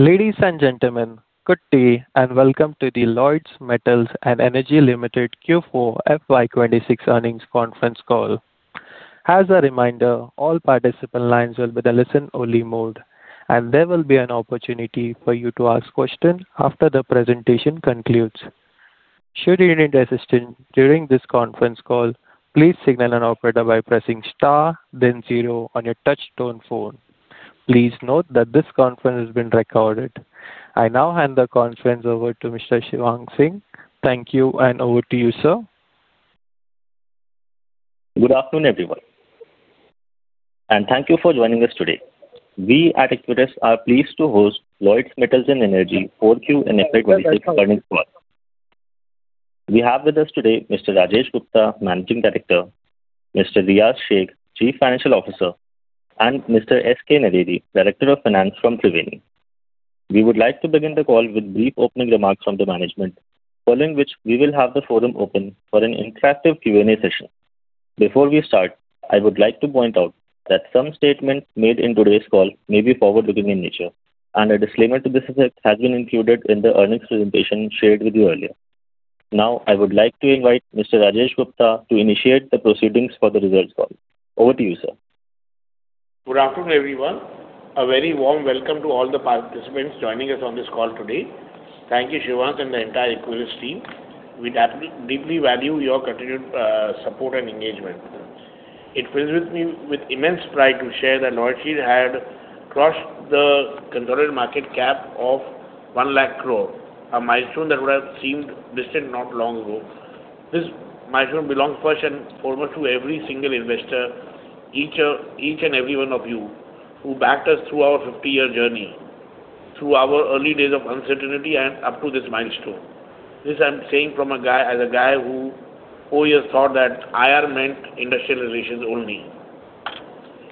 Ladies and gentlemen, good day, and welcome to the Lloyds Metals and Energy Limited Q4 FY 2026 Earnings Conference Call. As a reminder, all participant lines will be in a listen-only mode, and there will be an opportunity for you to ask questions after the presentation concludes. Should you need assistance during this conference call, please signal an operator by pressing star then zero on your touch-tone phone. Please note that this conference has been recorded. I now hand the conference over to Mr. Shivansh Singh. Thank you, over to you, sir. Good afternoon, everyone, and thank you for joining us today. We at Equirus are pleased to host Lloyds Metals and Energy 4Q in FY 2026 earnings call. We have with us today Mr. Rajesh Gupta, Managing Director, Mr. Riyaz Shaikh, Chief Financial Officer, and Mr. S. K. Naredi, Director of Finance from Thriveni. We would like to begin the call with brief opening remarks from the management, following which we will have the forum open for an interactive Q&A session. Before we start, I would like to point out that some statements made in today's call may be forward-looking in nature, and a disclaimer to this effect has been included in the earnings presentation shared with you earlier. Now, I would like to invite Mr. Rajesh Gupta to initiate the proceedings for the results call. Over to you, sir. Good afternoon, everyone. A very warm welcome to all the participants joining us on this call today. Thank you, Shivansh, and the entire Equirus team. We deeply value your continued support and engagement. It fills with me with immense pride to share that Lloyds Metals And Energy had crossed the consolidated market cap of 1 lakh crore, a milestone that would have seemed distant not long ago. This milestone belongs first and foremost to every single investor, each and every one of you who backed us through our 50-year journey, through our early days of uncertainty, and up to this milestone. This I'm saying as a guy who four years thought that IR meant Industrial Relations only.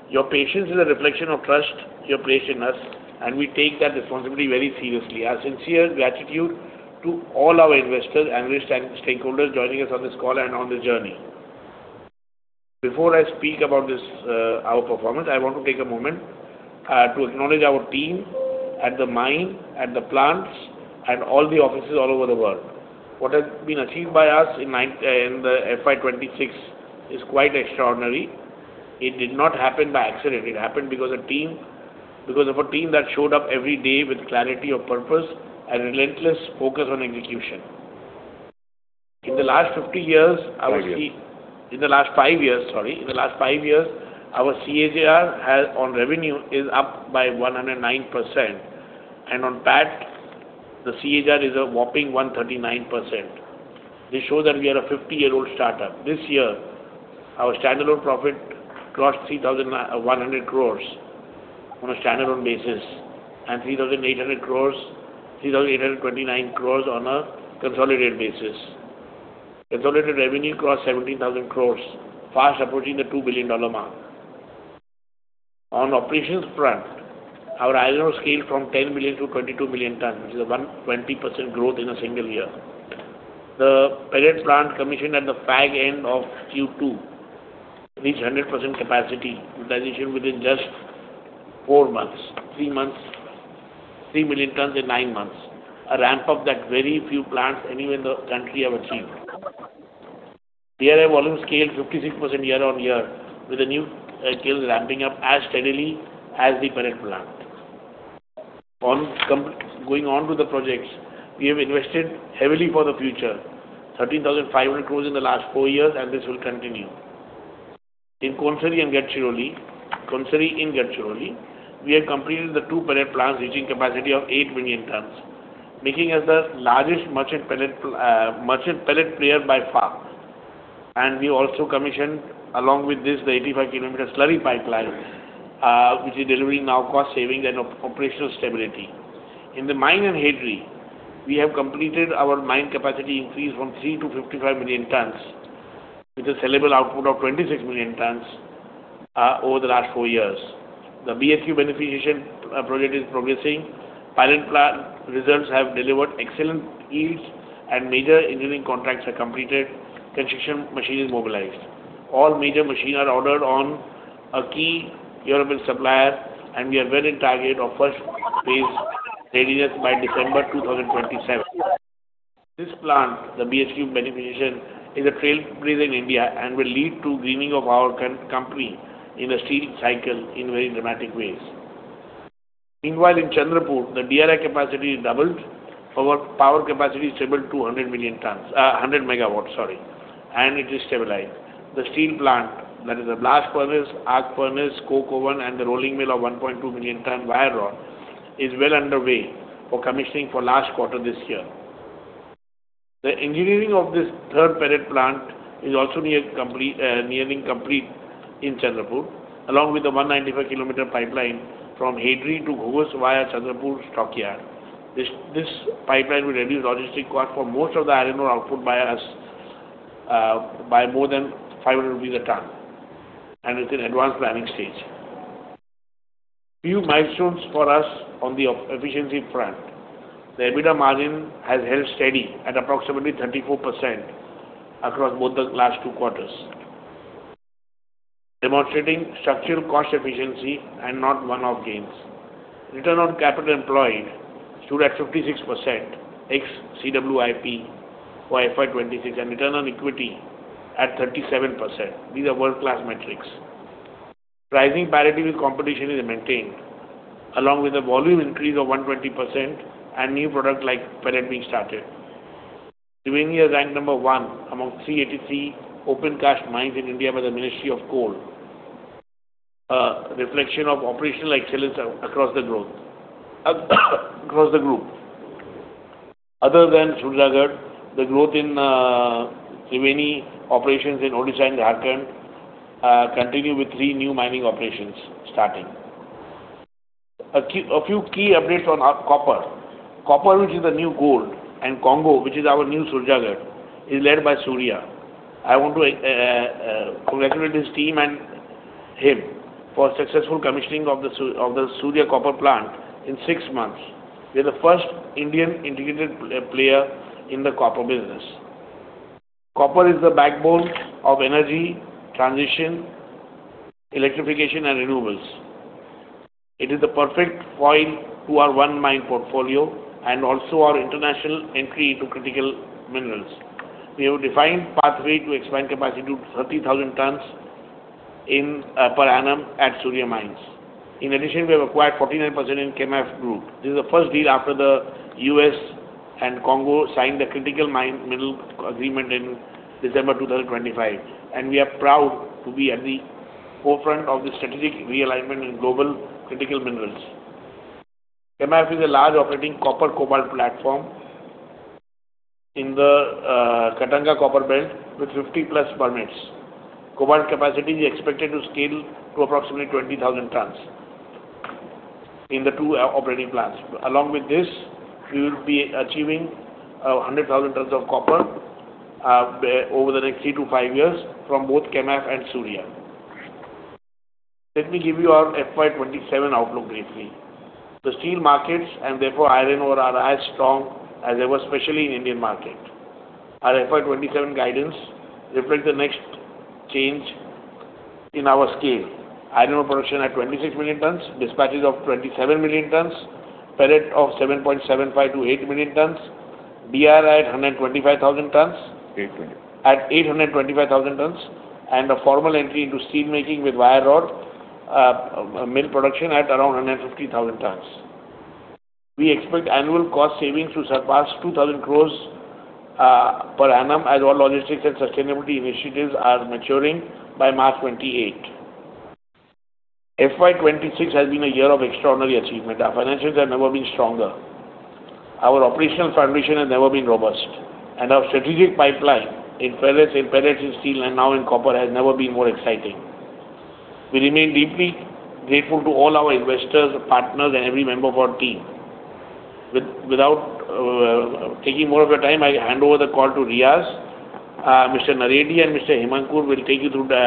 Your patience is a reflection of trust you place in us, and we take that responsibility very seriously. Our sincere gratitude to all our investors and stakeholders joining us on this call and on this journey. Before I speak about this, our performance, I want to take a moment to acknowledge our team at the mine, at the plants, and all the offices all over the world. What has been achieved by us in the FY 2026 is quite extraordinary. It did not happen by accident. It happened because of a team that showed up every day with clarity of purpose and relentless focus on execution. In the last five years, sorry. In the last five years, our CAGR has, on revenue, is up by 109%. On PAT, the CAGR is a whopping 139%, which shows that we are a 50-year-old startup. This year, our standalone profit crossed 3,100 crores on a standalone basis and 3,829 crores on a consolidated basis. Consolidated revenue crossed 17,000 crores, fast approaching the $2 billion mark. On operations front, our iron ore scaled from 10 million tonne-22 million tonne, which is a 120% growth in a single year. The pellet plant commissioned at the back end of Q2 reached 100% capacity utilization within just four months, three months, 3 million tonne in nine months, a ramp-up that very few plants anywhere in the country have achieved. DRI volume scaled 56% year-on-year, with the new kiln ramping up as steadily as the pellet plant. Going on to the projects, we have invested heavily for the future, 13,500 crores in the last four years, and this will continue. In Konsari and Gadchiroli, we have completed the two pellet plants reaching capacity of 8 million tonne, making us the largest merchant pellet player by far. We also commissioned, along with this, the 85-km slurry pipeline, which is delivering now cost savings and operational stability. In the mine at Hedri, we have completed our mine capacity increase from 3 million tonne-55 million tonne, with a sellable output of 26 million tonne over the last four years. The BHQ beneficiation project is progressing. Pilot plant results have delivered excellent yields, major engineering contracts are completed. Construction machinery is mobilized. All major machinery are ordered on a key European supplier. We are well in target of first phase readiness by December 2027. This plant, the BHQ beneficiation, is a trailblazer in India and will lead to greening of our company in the steel cycle in very dramatic ways. Meanwhile, in Chandrapur, the DRI capacity is doubled. Power capacity is tripled to 100 million tonne, 100 MW, sorry, it is stabilized. The steel plant, that is the blast furnace, arc furnace, coke oven, and the rolling mill of 1.2 million ton wire rod, is well underway for commissioning for last quarter this year. The engineering of this third pellet plant is also nearing complete in Chandrapur, along with the 195-km pipeline from Hedri to Ghugus via Chandrapur stockyard. This pipeline will reduce logistics cost for most of the iron ore output by us, by more than 500 rupees/ton, and it's in advanced planning stage. Few milestones for us on the efficiency front. The EBITDA margin has held steady at approximately 34% across both the last two quarters. Demonstrating structural cost efficiency and not one-off gains. Return on capital employed stood at 56%, ex-CWIP for FY 2026, and return on equity at 37%. These are world-class metrics. Pricing parity with competition is maintained, along with a volume increase of 120% and new product like pellet being started. Thriveni is ranked number one among 383 open cast mines in India by the Ministry of Coal, a reflection of operational excellence across the group. Other than Surjagarh, the growth in Thriveni operations in Odisha and Jharkhand continue with three new mining operations starting. A few key updates on our copper. Copper, which is the new gold, Congo, which is our new Surjagarh, is led by Surya. I want to congratulate his team and him for successful commissioning of the Surya copper plant in six months. We are the first Indian integrated player in the copper business. Copper is the backbone of energy transition, electrification, renewables. It is the perfect foil to our one mine portfolio also our international entry into critical minerals. We have a defined pathway to expand capacity to 30,000 tonne per annum at Surya Mines. In addition, we have acquired 49% in KMF Group. This is the first deal after the U.S. and Congo signed the critical minerals agreement in December 2025, and we are proud to be at the forefront of the strategic realignment in global critical minerals. KMF is a large operating copper cobalt platform in the Katanga Copperbelt with 50+ permits. Cobalt capacity is expected to scale to approximately 20,000 tonne in the two operating plants. Along with this, we will be achieving 100,000 tonne of copper over the next three to five years from both KMF and Surya. Let me give you our FY 2027 outlook briefly. The steel markets, and therefore iron ore, are as strong as ever, especially in Indian market. Our FY 2027 guidance reflects the next change in our scale. Iron ore production at 26 million tonne, dispatches of 27 million tonne, pellet of 7.75 million-8 million tonne, DRI at 125,000 tonne. 820,000 tonne. At 825,000 tonne, and a formal entry into steelmaking with wire rod mill production at around 150,000 tonne. We expect annual cost savings to surpass 2,000 crores per annum as our logistics and sustainability initiatives are maturing by March 2028. FY 2026 has been a year of extraordinary achievement. Our financials have never been stronger. Our operational foundation has never been robust, and our strategic pipeline in pellets, in steel, and now in copper has never been more exciting. We remain deeply grateful to all our investors, partners, and every member of our team. Without taking more of your time, I hand over the call to Riyaz. Mr. Naredi and Mr. Hemankur will take you through the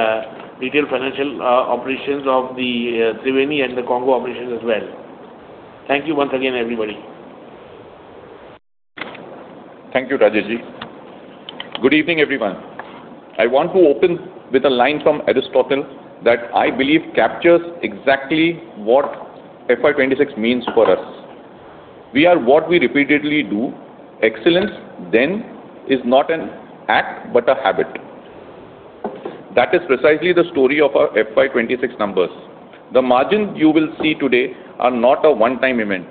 retail financial operations of the Thriveni and the Congo operations as well. Thank you once again, everybody. Thank you, Rajesh ji. Good evening, everyone. I want to open with a line from Aristotle that I believe captures exactly what FY 2026 means for us. We are what we repeatedly do. Excellence then is not an act but a habit. That is precisely the story of our FY 2026 numbers. The margins you will see today are not a one-time event.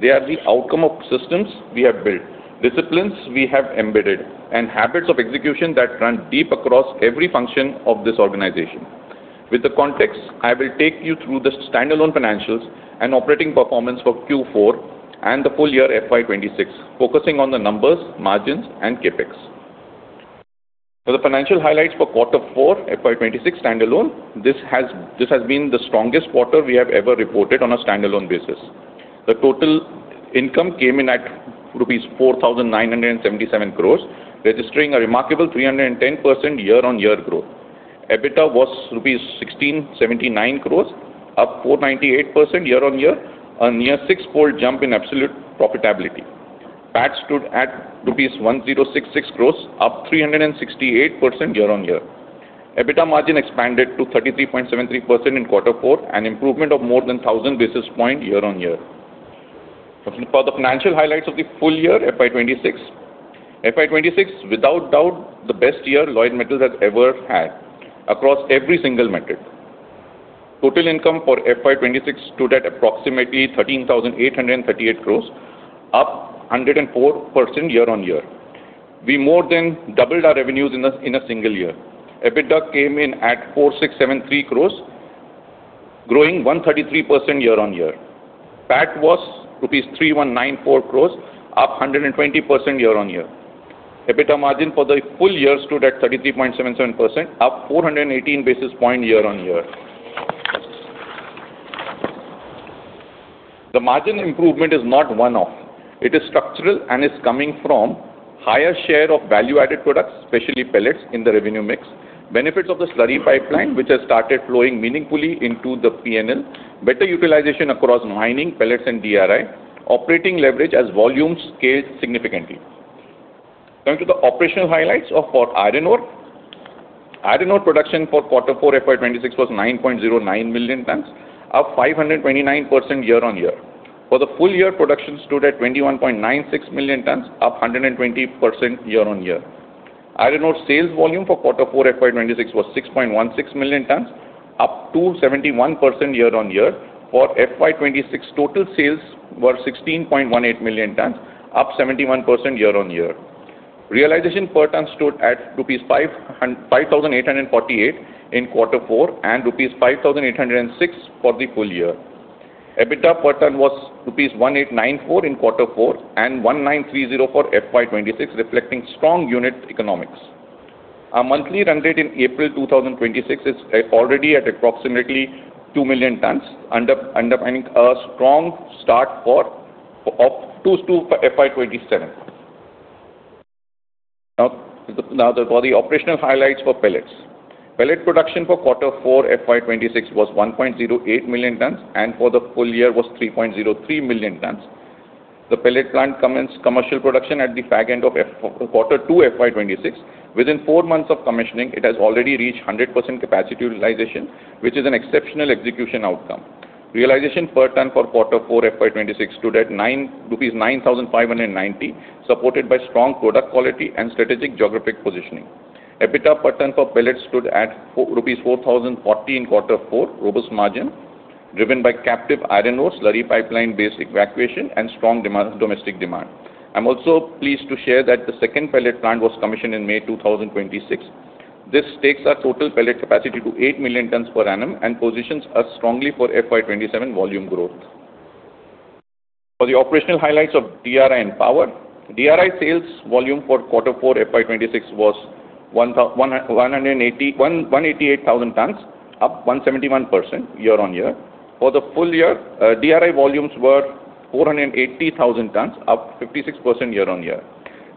They are the outcome of systems we have built, disciplines we have embedded, and habits of execution that run deep across every function of this organization. With the context, I will take you through the standalone financials and operating performance for Q4 and the full year FY 2026, focusing on the numbers, margins, and CapEx. For the financial highlights for quarter four, FY 2026 standalone, this has been the strongest quarter we have ever reported on a standalone basis. The total income came in at rupees 4,977 crores, registering a remarkable 310% year-on-year growth. EBITDA was rupees 1,679 crores, up 498% year-on-year, a near six-fold jump in absolute profitability. PAT stood at INR 1,066 crores, up 368% year-on-year. EBITDA margin expanded to 33.73% in quarter four, an improvement of more than 1,000 basis point year-on-year. For the financial highlights of the full year FY 2026. FY 2026, without doubt, the best year Lloyds Metals has ever had across every single metric. Total income for FY 2026 stood at approximately INR 13,838 crores, up 104% year-on-year. We more than doubled our revenues in a single year. EBITDA came in at 4,673 crores, growing 133% year-on-year. PAT was rupees 3,194 crores, up 120% year-on-year. EBITDA margin for the full year stood at 33.77%, up 418 basis points year-on-year. The margin improvement is not one-off. It is structural and is coming from higher share of value-added products, especially pellets in the revenue mix. Benefits of the slurry pipeline, which has started flowing meaningfully into the P&L. Better utilization across mining, pellets and DRI. Operating leverage as volumes scale significantly. Coming to the operational highlights for iron ore. Iron ore production for quarter four FY 2026 was 9.09 million tonnes, up 529% year-on-year. For the full year, production stood at 21.96 million tonnes, up 120% year-on-year. Iron ore sales volume for quarter four FY 2026 was 6.16 million tonnes, up 271% year-on-year. For FY 2026, total sales were 16.18 million tonnes, up 71% year-on-year. Realization per tonne stood at 5,848 rupees in quarter 4, and 5,806 rupees for the full year. EBITDA per tonne was 1,894 rupees in quarter 4, and 1,930 for FY 2026, reflecting strong unit economics. Our monthly run rate in April 2026 is already at approximately 2 million tonnes, underpinning a strong start for FY 2027. Now, for the operational highlights for pellets. Pellet production for quarter four FY 2026 was 1.08 million tonnes, and for the full year was 3.03 million tonnes. The pellet plant commenced commercial production at the back end of quarter two FY 2026. Within four months of commissioning, it has already reached 100% capacity utilization, which is an exceptional execution outcome. Realization per tonne for quarter four FY 2026 stood at rupees 9,590, supported by strong product quality and strategic geographic positioning. EBITDA per tonne for pellets stood at 4,040 rupees in quarter four. Robust margin driven by captive iron ore slurry pipeline-based evacuation and strong demand, domestic demand. I'm also pleased to share that the second pellet plant was commissioned in May 2026. This takes our total pellet capacity to 8 million tonnes per annum, and positions us strongly for FY 2027 volume growth. For the operational highlights of DRI and power. DRI sales volume for quarter four FY 2026 was 188,000 tonnes, up 171% year-on-year. For the full year, DRI volumes were 480,000 tonnes, up 56% year-on-year.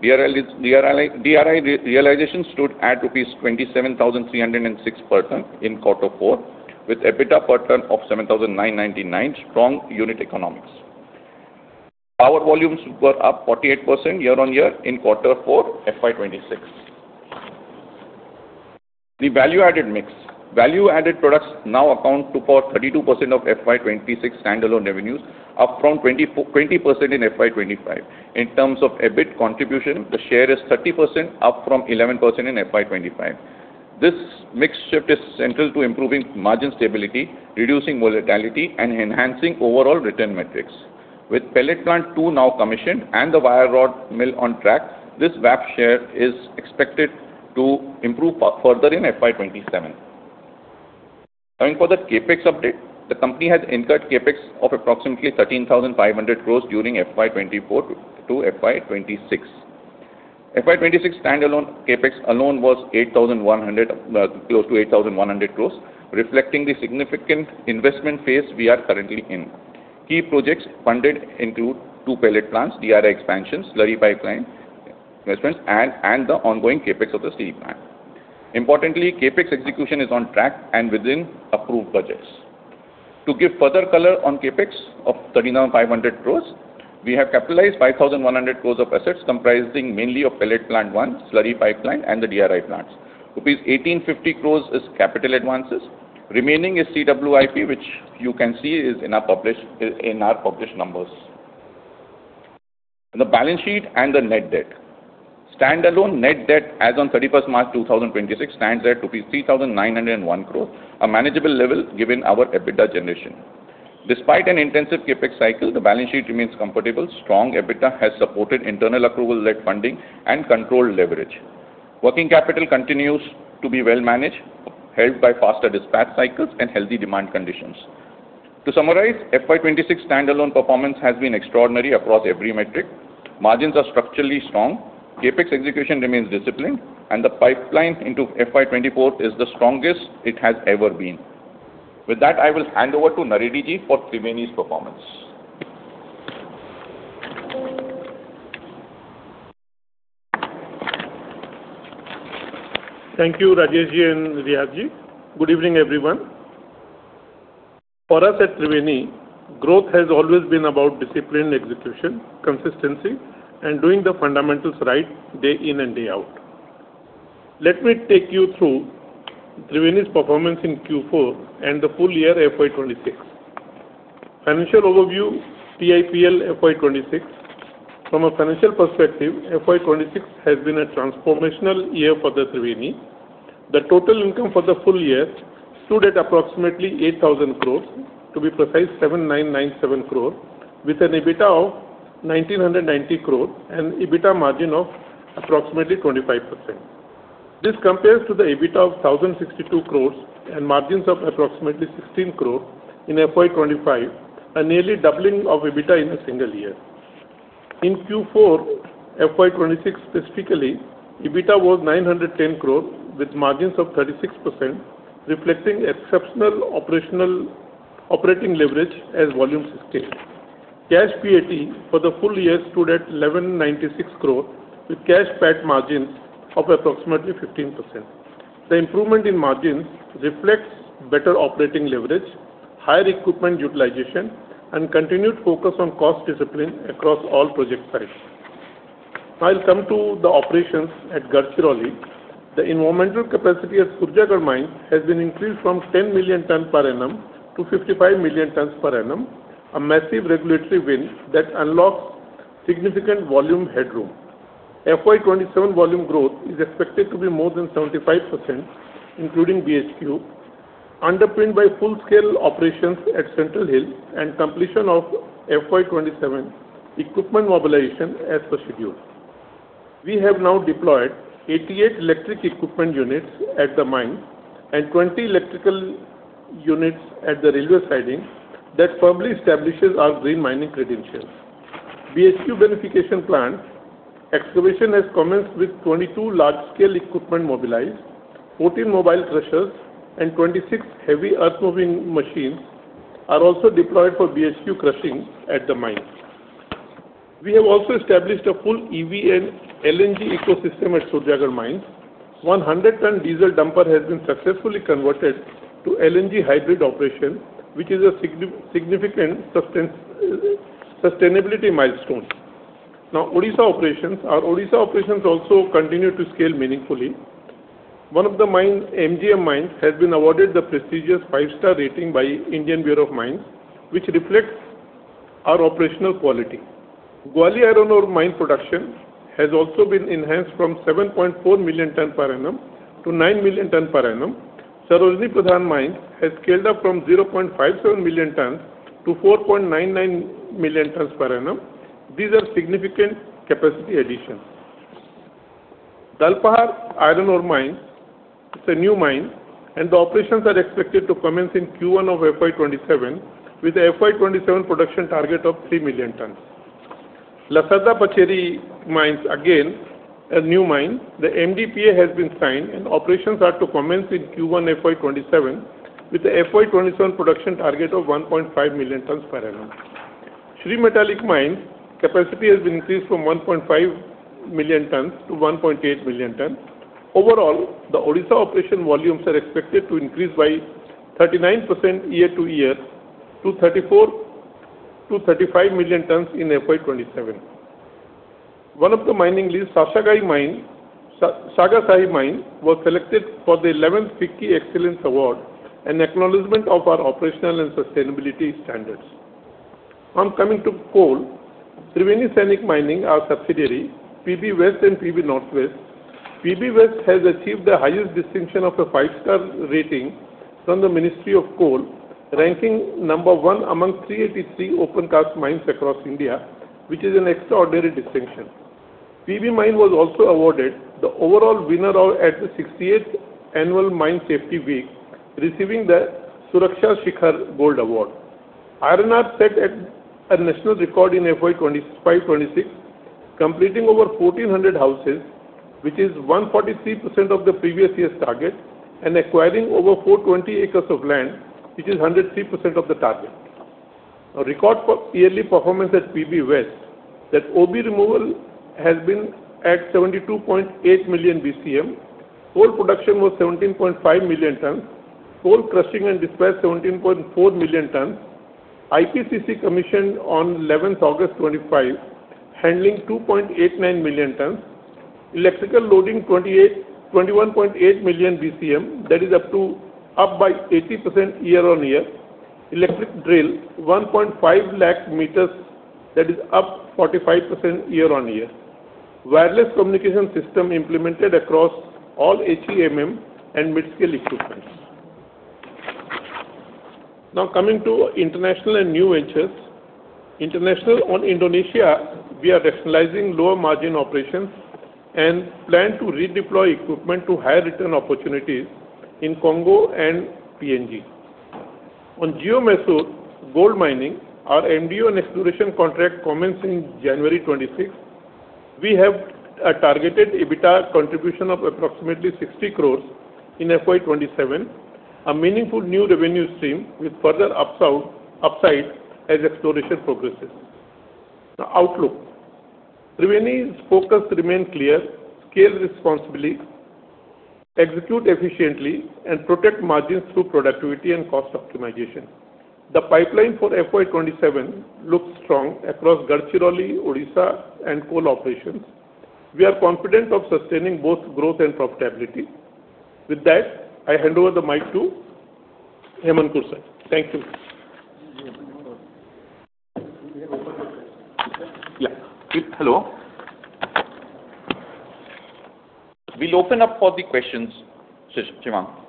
DRI realization stood at rupees 27,306 per tonne in quarter four, with EBITDA per tonne of 7,999. Strong unit economics. Power volumes were up 48% year-on-year in quarter four FY 2026. The value-added mix. Value-added products now account to for 32% of FY 2026 standalone revenues, up from 20% in FY 2025. In terms of EBIT contribution, the share is 30%, up from 11% in FY 2025. This mix shift is central to improving margin stability, reducing volatility, and enhancing overall return metrics. With Pellet Plant 2 now commissioned and the wire rod mill on track, this VAP Share is expected to improve further in FY 2027. Coming for the CapEx update. The company has incurred CapEx of approximately 13,500 crores during FY 2024 to FY 2026. FY 2026 standalone CapEx alone was close to 8,100 crores, reflecting the significant investment phase we are currently in. Key projects funded include 2 pellet plants, DRI expansion, slurry pipeline investments, and the ongoing CapEx of the steel plant. Importantly, CapEx execution is on track and within approved budgets. To give further color on CapEx of 13,500 crore, we have capitalized 5,100 crore of assets comprising mainly of Pellet Plant 1, slurry pipeline, and the DRI plants. Rupees 1,850 crore is capital advances. Remaining is CWIP, which you can see is in our published numbers. The balance sheet and the net debt. Standalone net debt as on 31st March 2026 stands at INR 3,901 crore, a manageable level given our EBITDA generation. Despite an intensive CapEx cycle, the balance sheet remains comfortable. Strong EBITDA has supported internal approval-led funding and controlled leverage. Working capital continues to be well managed, helped by faster dispatch cycles and healthy demand conditions. To summarize, FY 2026 standalone performance has been extraordinary across every metric. Margins are structurally strong, CapEx execution remains disciplined, and the pipeline into FY 2024 is the strongest it has ever been. With that, I will hand over to Naredi Ji for Thriveni's performance. Thank you, Rajesh ji and Riyaz ji. Good evening, everyone. For us at Lloyds Metals, growth has always been about disciplined execution, consistency, and doing the fundamentals right day in and day out. Let me take you through Thriveni's performance in Q4 and the full year FY 2026. Financial overview, [TEIL] FY 2026. From a financial perspective, FY 2026 has been a transformational year for Thriveni. The total income for the full year stood at approximately 8,000 crore. To be precise, 7,997 crore, with an EBITDA of 1,990 crore and EBITDA margin of approximately 25%. This compares to the EBITDA of 1,062 crore and margins of approximately 16% in FY 2025, a nearly doubling of EBITDA in a single year. In Q4 FY 2026 specifically, EBITDA was 910 crore with margins of 36%, reflecting exceptional operating leverage as volumes scaled. Cash PAT for the full year stood at 1,196 crore with cash PAT margins of approximately 15%. The improvement in margins reflects better operating leverage, higher equipment utilization, and continued focus on cost discipline across all project sites. I'll come to the operations at Gadchiroli. The environmental capacity at Surjagarh Mine has been increased from 10 million tonne per annum to 55 million tonne per annum, a massive regulatory win that unlocks significant volume headroom. FY 2027 volume growth is expected to be more than 75%, including BHQ, underpinned by full-scale operations at Central Hills and completion of FY 2027 equipment mobilization as per schedule. We have now deployed 88 electric equipment units at the mine and 20 electrical units at the railway sidings that firmly establishes our green mining credentials. BHQ beneficiation plant excavation has commenced with 22 large-scale equipment mobilized. 14 mobile crushers and 26 heavy earth-moving machines are also deployed for BHQ crushing at the mine. We have also established a full EV and LNG ecosystem at Surjagarh Mine. 100 ton diesel dumper has been successfully converted to LNG hybrid operation, which is a significant sustainability milestone. Odisha operations. Our Odisha operations also continue to scale meaningfully. One of the mine, MGM mine, has been awarded the prestigious 5-star rating by Indian Bureau of Mines, which reflects our operational quality. Guali iron ore mine production has also been enhanced from 7.4 million ton per annum to 9 million ton per annum. Sarojini Pradhan Mine has scaled up from 0.57 million tonne-4.99 million tonne per annum. These are significant capacity additions. Dalpahar Iron ore mine is a new mine, and the operations are expected to commence in Q1 of FY 2027, with a FY 2027 production target of 3 million tonne. Lasarda-Pacheri Mines, again, a new mine. The MDPA has been signed, and operations are to commence in Q1 FY 2027, with a FY 2027 production target of 1.5 million tonne per annum. Sree Metaliks Mine capacity has been increased from 1.5 million tonne-1.8 million tonne. Overall, the Odisha operation volumes are expected to increase by 39% year-over-year to 34 million tonne-35 million tonne in FY 2027. One of the mining lease, Sagasai Mine, was selected for the 11th FICCI Excellence Award, an acknowledgment of our operational and sustainability standards. Now coming to coal. Thriveni Sainik Mining, our subsidiary, PB West and PB Northwest. PB West has achieved the highest distinction of a 5-star rating from the Ministry of Coal, ranking number one among 383 opencast mines across India, which is an extraordinary distinction. PB Mine was also awarded the overall winner at the 68th Annual Mine Safety Week, receiving the Suraksha Shikhar Gold Award. Iron Ore set a national record in FY 2026, completing over 1,400 houses, which is 143% of the previous year's target, and acquiring over 420 acres of land, which is 103% of the target. A record for yearly performance at PB West that OB removal has been at 72.8 million BCM. Coal production was 17.5 million tonne. Coal crushing and dispatch, 17.4 million tonne. IPCC commissioned on 11th August 2025, handling 2.89 million tonne. Electrical loading 21.8 million BCM, that is up by 80% year-on-year. Electric drill 1.5 lakh m, that is up 45% year-on-year. Wireless communication system implemented across all HEMM and mid-scale equipment. Coming to international and new ventures. International on Indonesia, we are rationalizing lower margin operations and plan to redeploy equipment to higher return opportunities in Congo and PNG. On Geomysore Gold Mining, our MDO and exploration contract commenced in January 2026. We have a targeted EBITDA contribution of approximately 60 crores in FY 2027, a meaningful new revenue stream with further upside as exploration progresses. Outlook. Thriveni's focus remains clear. Scale responsibly, execute efficiently, and protect margins through productivity and cost optimization. The pipeline for FY 2027 looks strong across Gadchiroli, Odisha, and coal operations. We are confident of sustaining both growth and profitability. With that, I hand over the mic to Hemankur [Upadhyaya]. Thank you. We have opened the questions. Yeah. Hello. We'll open up for the questions. Shivansh.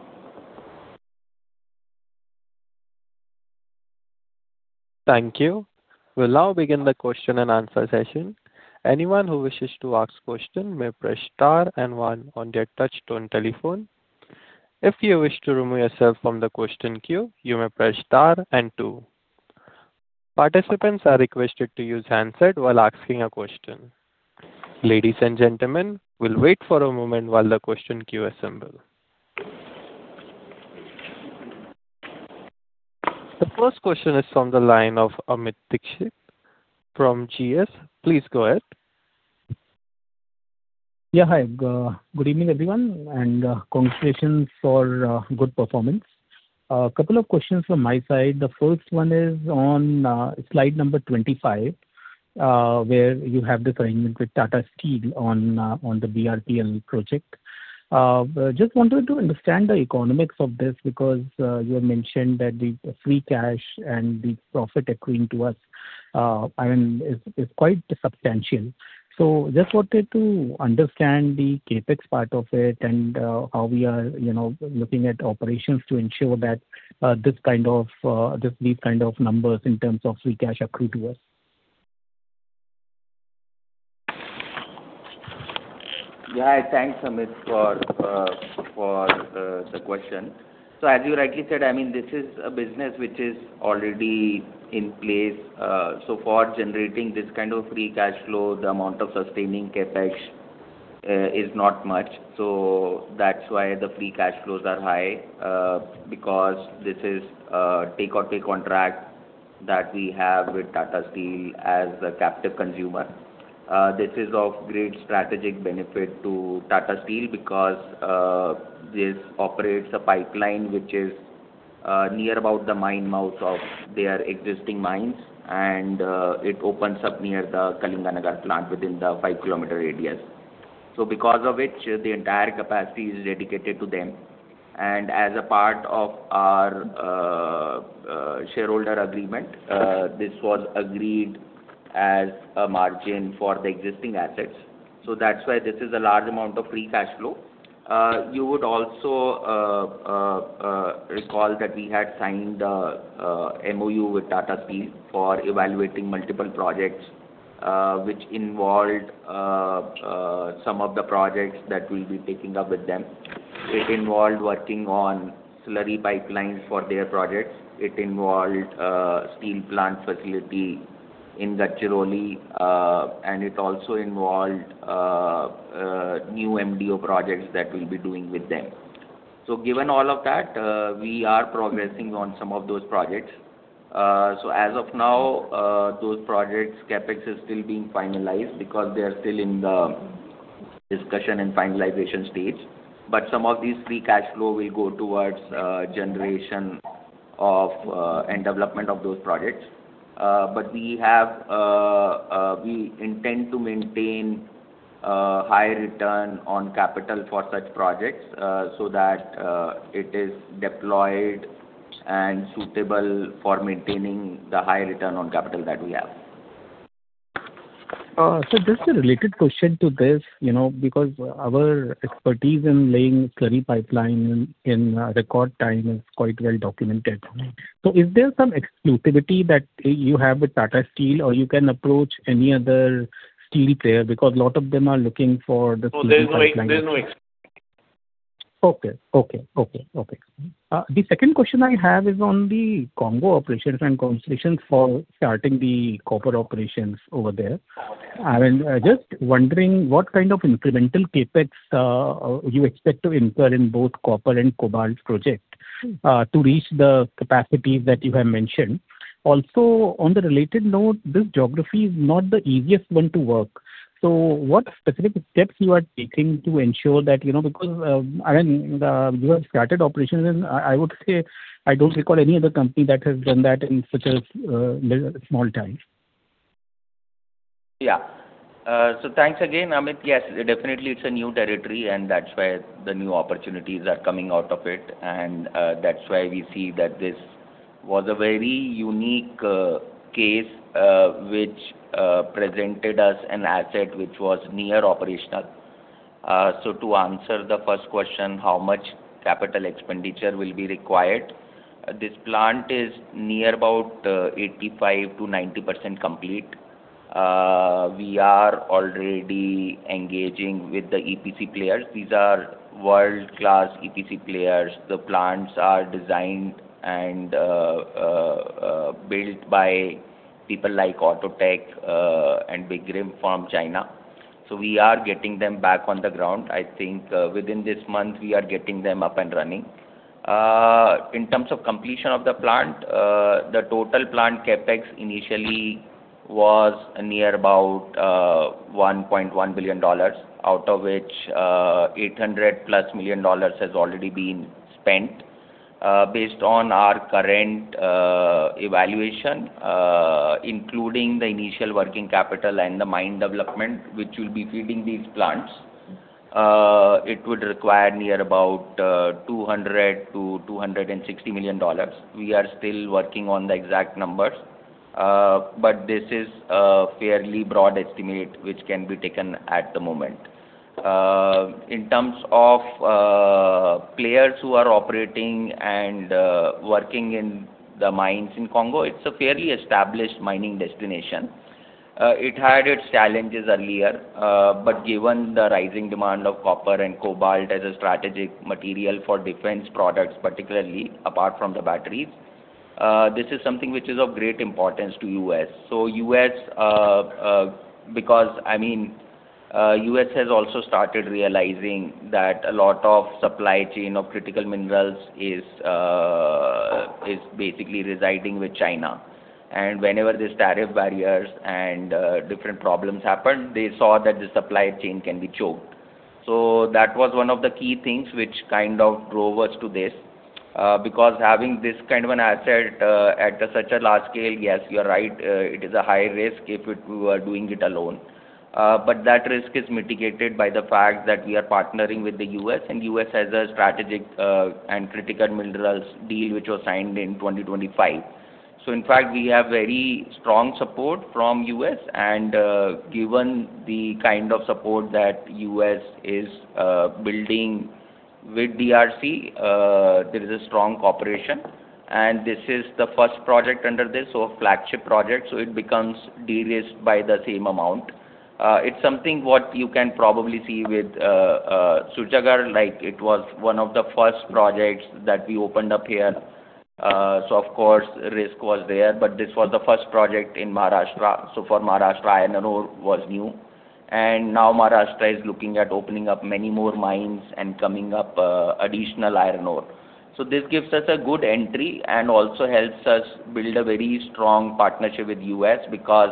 Thank you. We'll now begin the question-and-answer session. Any one who wishes to ask a question may press star and one on their touch-tone telephone. If you wish to remove yourself from the question queue you may press star and two. Participants are requested to use a handset when asking a question. Ladies and gentlemen we'll wait for a moment while the question queue to assemble. Yeah. Hi. Good evening, everyone, and congratulations for good performance. Couple of questions from my side. The first one is on slide number 25, where you have the arrangement with Tata Steel on the BRPL project. Just wanted to understand the economics of this because you had mentioned that the free cash and the profit accruing to us, I mean, is quite substantial. Just wanted to understand the CapEx part of it and how we are, you know, looking at operations to ensure that these kind of numbers in terms of free cash accrue to us. Thanks, Amit, for the question. As you rightly said, I mean, this is a business which is already in place, for generating this kind of free cash flow, the amount of sustaining CapEx is not much. That's why the free cash flows are high, because this is a take-or-pay contract that we have with Tata Steel as a captive consumer. This is of great strategic benefit to Tata Steel because this operates a pipeline which is near about the mine mouth of their existing mines, it opens up near the Kalinganagar plant within the 5 km radius. Because of which the entire capacity is dedicated to them. As a part of our shareholder agreement, this was agreed as a margin for the existing assets. That's why this is a large amount of free cash flow. You would also recall that we had signed MoU with Tata Steel for evaluating multiple projects, which involved some of the projects that we'll be taking up with them. It involved working on slurry pipelines for their projects. It involved steel plant facility in Gadchiroli, and it also involved new MDO projects that we'll be doing with them. Given all of that, we are progressing on some of those projects. As of now, those projects CapEx is still being finalized because they are still in the discussion and finalization stage. Some of these free cash flow will go towards generation of and development of those projects. We intend to maintain high return on capital for such projects, so that it is deployed and suitable for maintaining the high return on capital that we have. Just a related question to this, you know, because our expertise in laying slurry pipeline in record time is quite well documented. Is there some exclusivity that you have with Tata Steel or you can approach any other steel player? A lot of them are looking for the slurry pipeline. Oh, there's no exclusivity. Okay. Okay. Okay. Okay. The second question I have is on the Congo operations and congratulations for starting the copper operations over there. I mean, just wondering what kind of incremental CapEx you expect to incur in both copper and cobalt project to reach the capacity that you have mentioned. On the related note, this geography is not the easiest one to work. What specific steps you are taking to ensure that, you know, because, I mean, you have started operations and I would say I don't recall any other company that has done that in such a small time? Thanks again, Amit. Yes, definitely it's a new territory, and that's where the new opportunities are coming out of it. That's why we see that this was a very unique case which presented us an asset which was near operational. To answer the first question, how much capital expenditure will be required? This plant is near about 85%-90% complete. We are already engaging with the EPC players. These are world-class EPC players. The plants are designed and built by people like Outotec and Beijing Rim from China. We are getting them back on the ground. I think, within this month we are getting them up and running. In terms of completion of the plant, the total plant CapEx initially was near about, $1.1 billion, out of which, $800+ million has already been spent. Based on our current, evaluation, including the initial working capital and the mine development which will be feeding these plants, it would require near about, $200 million-$260 million. We are still working on the exact numbers, but this is a fairly broad estimate which can be taken at the moment. In terms of, players who are operating and, working in the mines in Congo, it's a fairly established mining destination. It had its challenges earlier, but given the rising demand of copper and cobalt as a strategic material for defense products, particularly apart from the batteries, this is something which is of great importance to U.S.. So U.S., because, I mean, U.S. has also started realizing that a lot of supply chain of critical minerals is basically residing with China. Whenever these tariff barriers and different problems happened, they saw that the supply chain can be choked. That was one of the key things which kind of drove us to this. Because having this kind of an asset at such a large scale, yes, you are right, it is a high risk if we were doing it alone. But that risk is mitigated by the fact that we are partnering with the U.S., and U.S. has a strategic and critical minerals deal which was signed in 2025. In fact, we have very strong support from U.S. and, given the kind of support that U.S. is building with DRC, there is a strong cooperation, and this is the first project under this, so a flagship project, so it becomes de-risked by the same amount. It's something what you can probably see with Surjagarh, like it was one of the first projects that we opened up here. Of course, risk was there, but this was the first project in Maharashtra. For Maharashtra, iron ore was new. Now Maharashtra is looking at opening up many more mines and coming up additional iron ore. This gives us a good entry and also helps us build a very strong partnership with U.S. because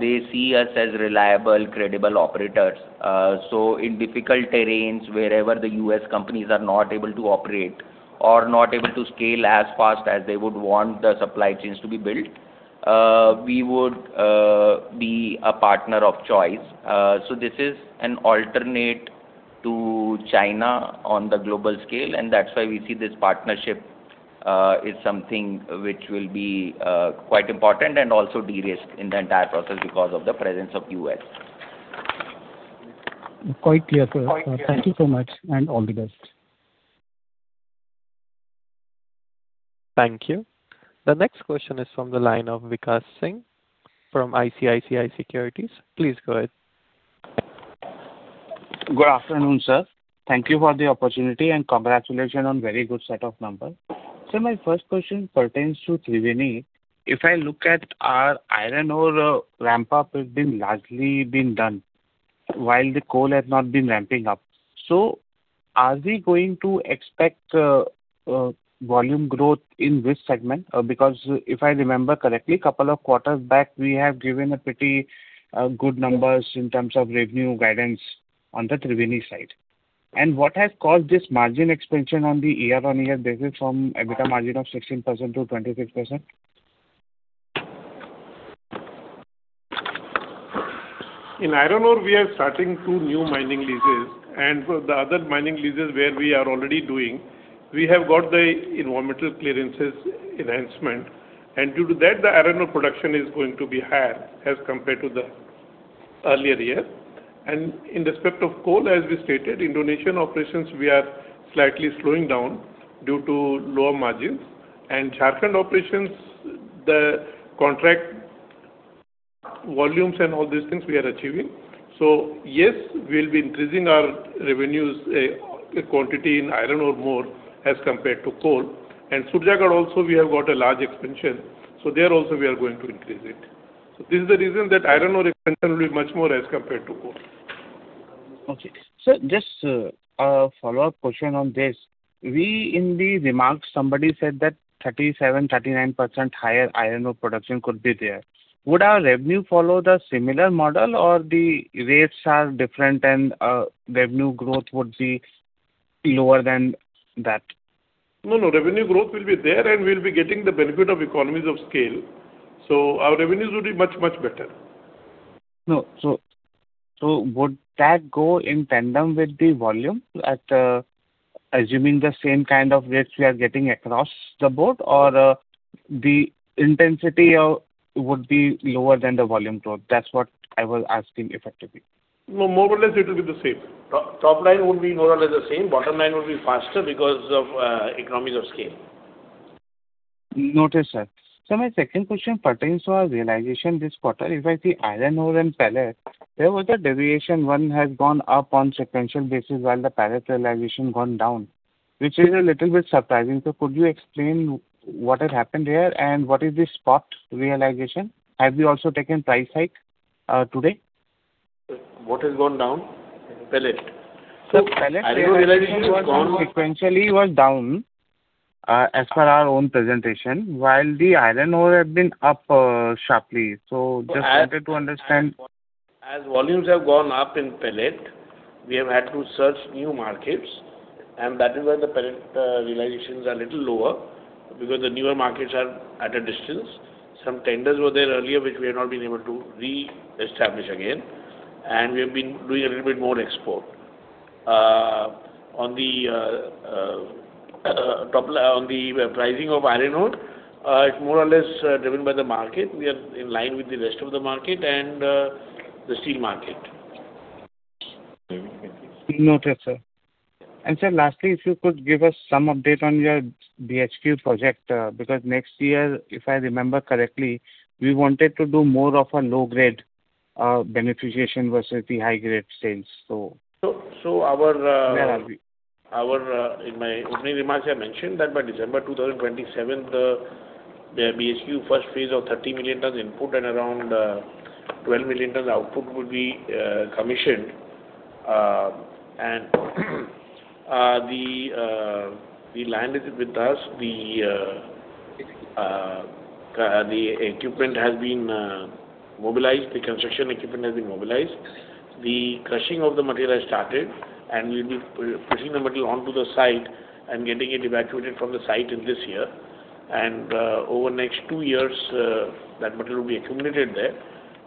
they see us as reliable, credible operators. In difficult terrains, wherever the U.S. companies are not able to operate or not able to scale as fast as they would want the supply chains to be built, we would be a partner of choice. This is an alternate to China on the global scale, and that's why we see this partnership is something which will be quite important and also de-risked in the entire process because of the presence of U.S.. Quite clear, sir. Thank you so much, and all the best. Thank you. The next question is from the line of Vikash Singh from ICICI Securities. Please go ahead. Good afternoon, sir. Thank you for the opportunity, and congratulations on very good set of numbers. My first question pertains to Thriveni. If I look at our iron ore ramp-up has been largely been done, while the coal has not been ramping up. Are we going to expect volume growth in this segment? Because if I remember correctly, couple of quarters back, we have given a pretty good numbers in terms of revenue guidance on the Thriveni side. What has caused this margin expansion on the year-on-year basis from EBITDA margin of 16%-26%? In iron ore, we are starting two new mining leases, and for the other mining leases where we are already doing, we have got the environmental clearances enhancement. Due to that, the iron ore production is going to be higher as compared to the earlier year. In respect of coal, as we stated, Indonesian operations, we are slightly slowing down due to lower margins. Char operations, the contract volumes and all these things we are achieving. Yes, we'll be increasing our revenues, quantity in iron ore more as compared to coal. Surjagarh also, we have got a large expansion, so there also we are going to increase it. This is the reason that iron ore expansion will be much more as compared to coal. Okay. Sir, just a follow-up question on this. We in the remarks, somebody said that 37%-39% higher iron ore production could be there. Would our revenue follow the similar model or the rates are different and, revenue growth would be lower than that? No, no. Revenue growth will be there, and we'll be getting the benefit of economies of scale. Our revenues will be much, much better. No. Would that go in tandem with the volume at assuming the same kind of rates we are getting across the board or the intensity of would be lower than the volume growth? That's what I was asking effectively. No, more or less it will be the same. Top line would be more or less the same. Bottom line would be faster because of economies of scale. Noted, sir. Sir, my second question pertains to our realization this quarter. If I see iron ore and pellet, there was a deviation. One has gone up on sequential basis while the pellet realization gone down, which is a little bit surprising. Could you explain what has happened there and what is the spot realization? Have you also taken price hike today? Sir, what has gone down? Pellet. Sir, pellet realization was. Iron ore realization has gone up. Sequentially was down, as per our own presentation, while the iron ore have been up sharply. Just wanted to understand. As volumes have gone up in pellet, we have had to search new markets. That is why the pellet realizations are a little lower because the newer markets are at a distance. Some tenders were there earlier, which we have not been able to reestablish again. We have been doing a little bit more export. On the pricing of iron ore, it's more or less driven by the market. We are in line with the rest of the market and the steel market. Very good. Noted, sir. Sir, lastly, if you could give us some update on your BHQ project, because next year, if I remember correctly, we wanted to do more of a low-grade beneficiation versus the high-grade sales. So, so our, uh- Where are we? Our in my opening remarks, I mentioned that by December 2027, the BHQ first phase of 30 million tonne input and around 12 million tonne output would be commissioned. The land is with us. The equipment has been mobilized. The construction equipment has been mobilized. The crushing of the material has started, and we'll be placing the material onto the site and getting it evacuated from the site in this year. Over next two years, that material will be accumulated there.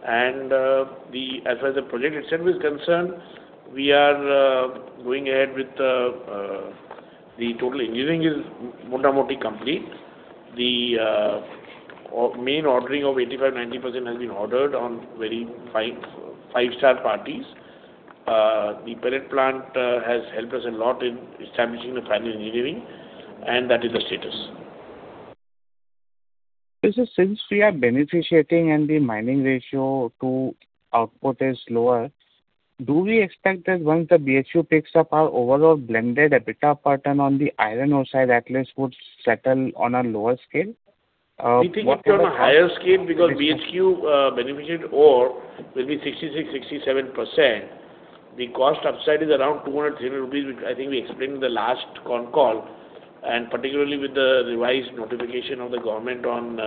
As far as the project itself is concerned, we are going ahead with the total engineering is more or more complete. The main ordering of 85%-90% has been ordered on very 5-star parties. The pellet plant has helped us a lot in establishing the final engineering, and that is the status. This is since we are beneficiating and the mining ratio to output is lower, do we expect that once the BHQ picks up our overall blended EBITDA pattern on the iron ore side, at last would settle on a lower scale? We think it's on a higher scale because BHQ beneficiated ore will be 66%-67%. The cost upside is around 200-300 rupees, which I think we explained in the last con call, particularly with the revised notification of the government on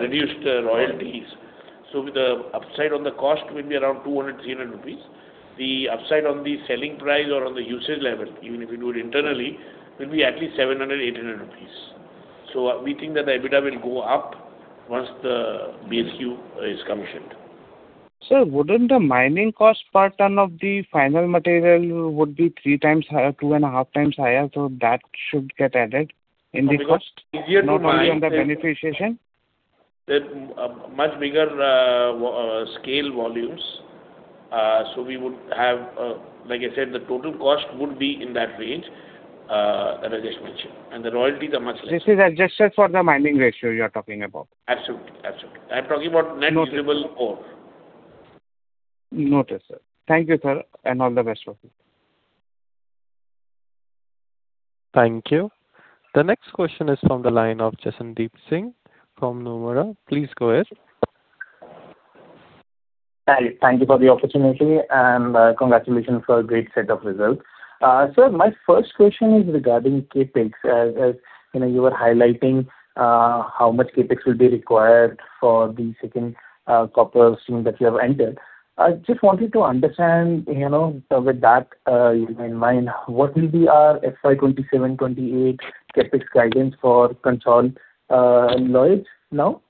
reduced royalties. With the upside on the cost will be around 200-300 rupees. The upside on the selling price or on the usage level, even if we do it internally, will be at least 700-800 rupees. We think that the EBITDA will go up once the BHQ is commissioned. Sir, wouldn't the mining cost per ton of the final material would be 3x higher, 2.5x higher? That should get added in the cost- No, because we are doing the mining. Not only on the beneficiation. The much bigger scale volumes. We would have, like I said, the total cost would be in that range that Rajesh mentioned, and the royalty are much less. This is adjusted for the mining ratio you are talking about. Absolutely. Absolutely. I'm talking about net visible ore. Noted, sir. Thank you, sir, and all the best for you. Thank you. The next question is from the line of Jashandeep Singh from Nomura. Please go ahead. Hi. Thank you for the opportunity and congratulations for a great set of results. My first question is regarding CapEx. You know, you were highlighting how much CapEx will be required for the second copper stream that you have entered. I just wanted to understand, you know, with that in mind, what will be our FY 2027/2028 CapEx guidance for consolidated now?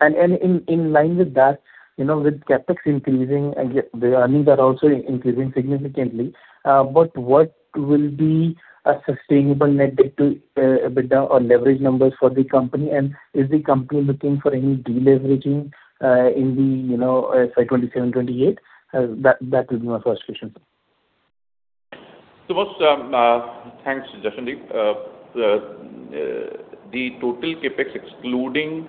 In line with that, you know, with CapEx increasing and the earnings are also increasing significantly, what will be a sustainable net debt-to-EBITDA or leverage numbers for the company? Is the company looking for any deleveraging in the, you know, FY 2027/2028? That will be my first question. Thanks, Jashandeep. The total CapEx excluding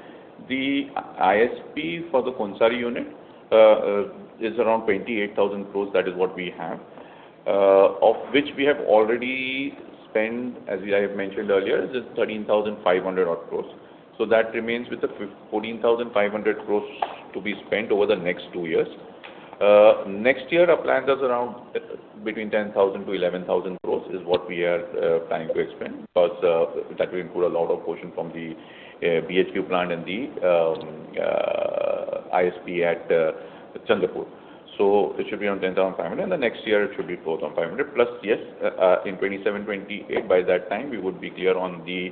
the ISP for the Konsari unit is around 28,000 crores. That is what we have. Of which we have already spent, as I have mentioned earlier, is 13,500 odd crores. That remains with the 14,500 crores to be spent over the next two years. Next year our plan does around between 10,000 crores-11,000 crores is what we are planning to expend because that will include a lot of portion from the BHQ plant and the ISP at Chandrapur. It should be around 10,500, the next year it should be 12,500+, yes, in 2027, 2028, by that time we would be clear on the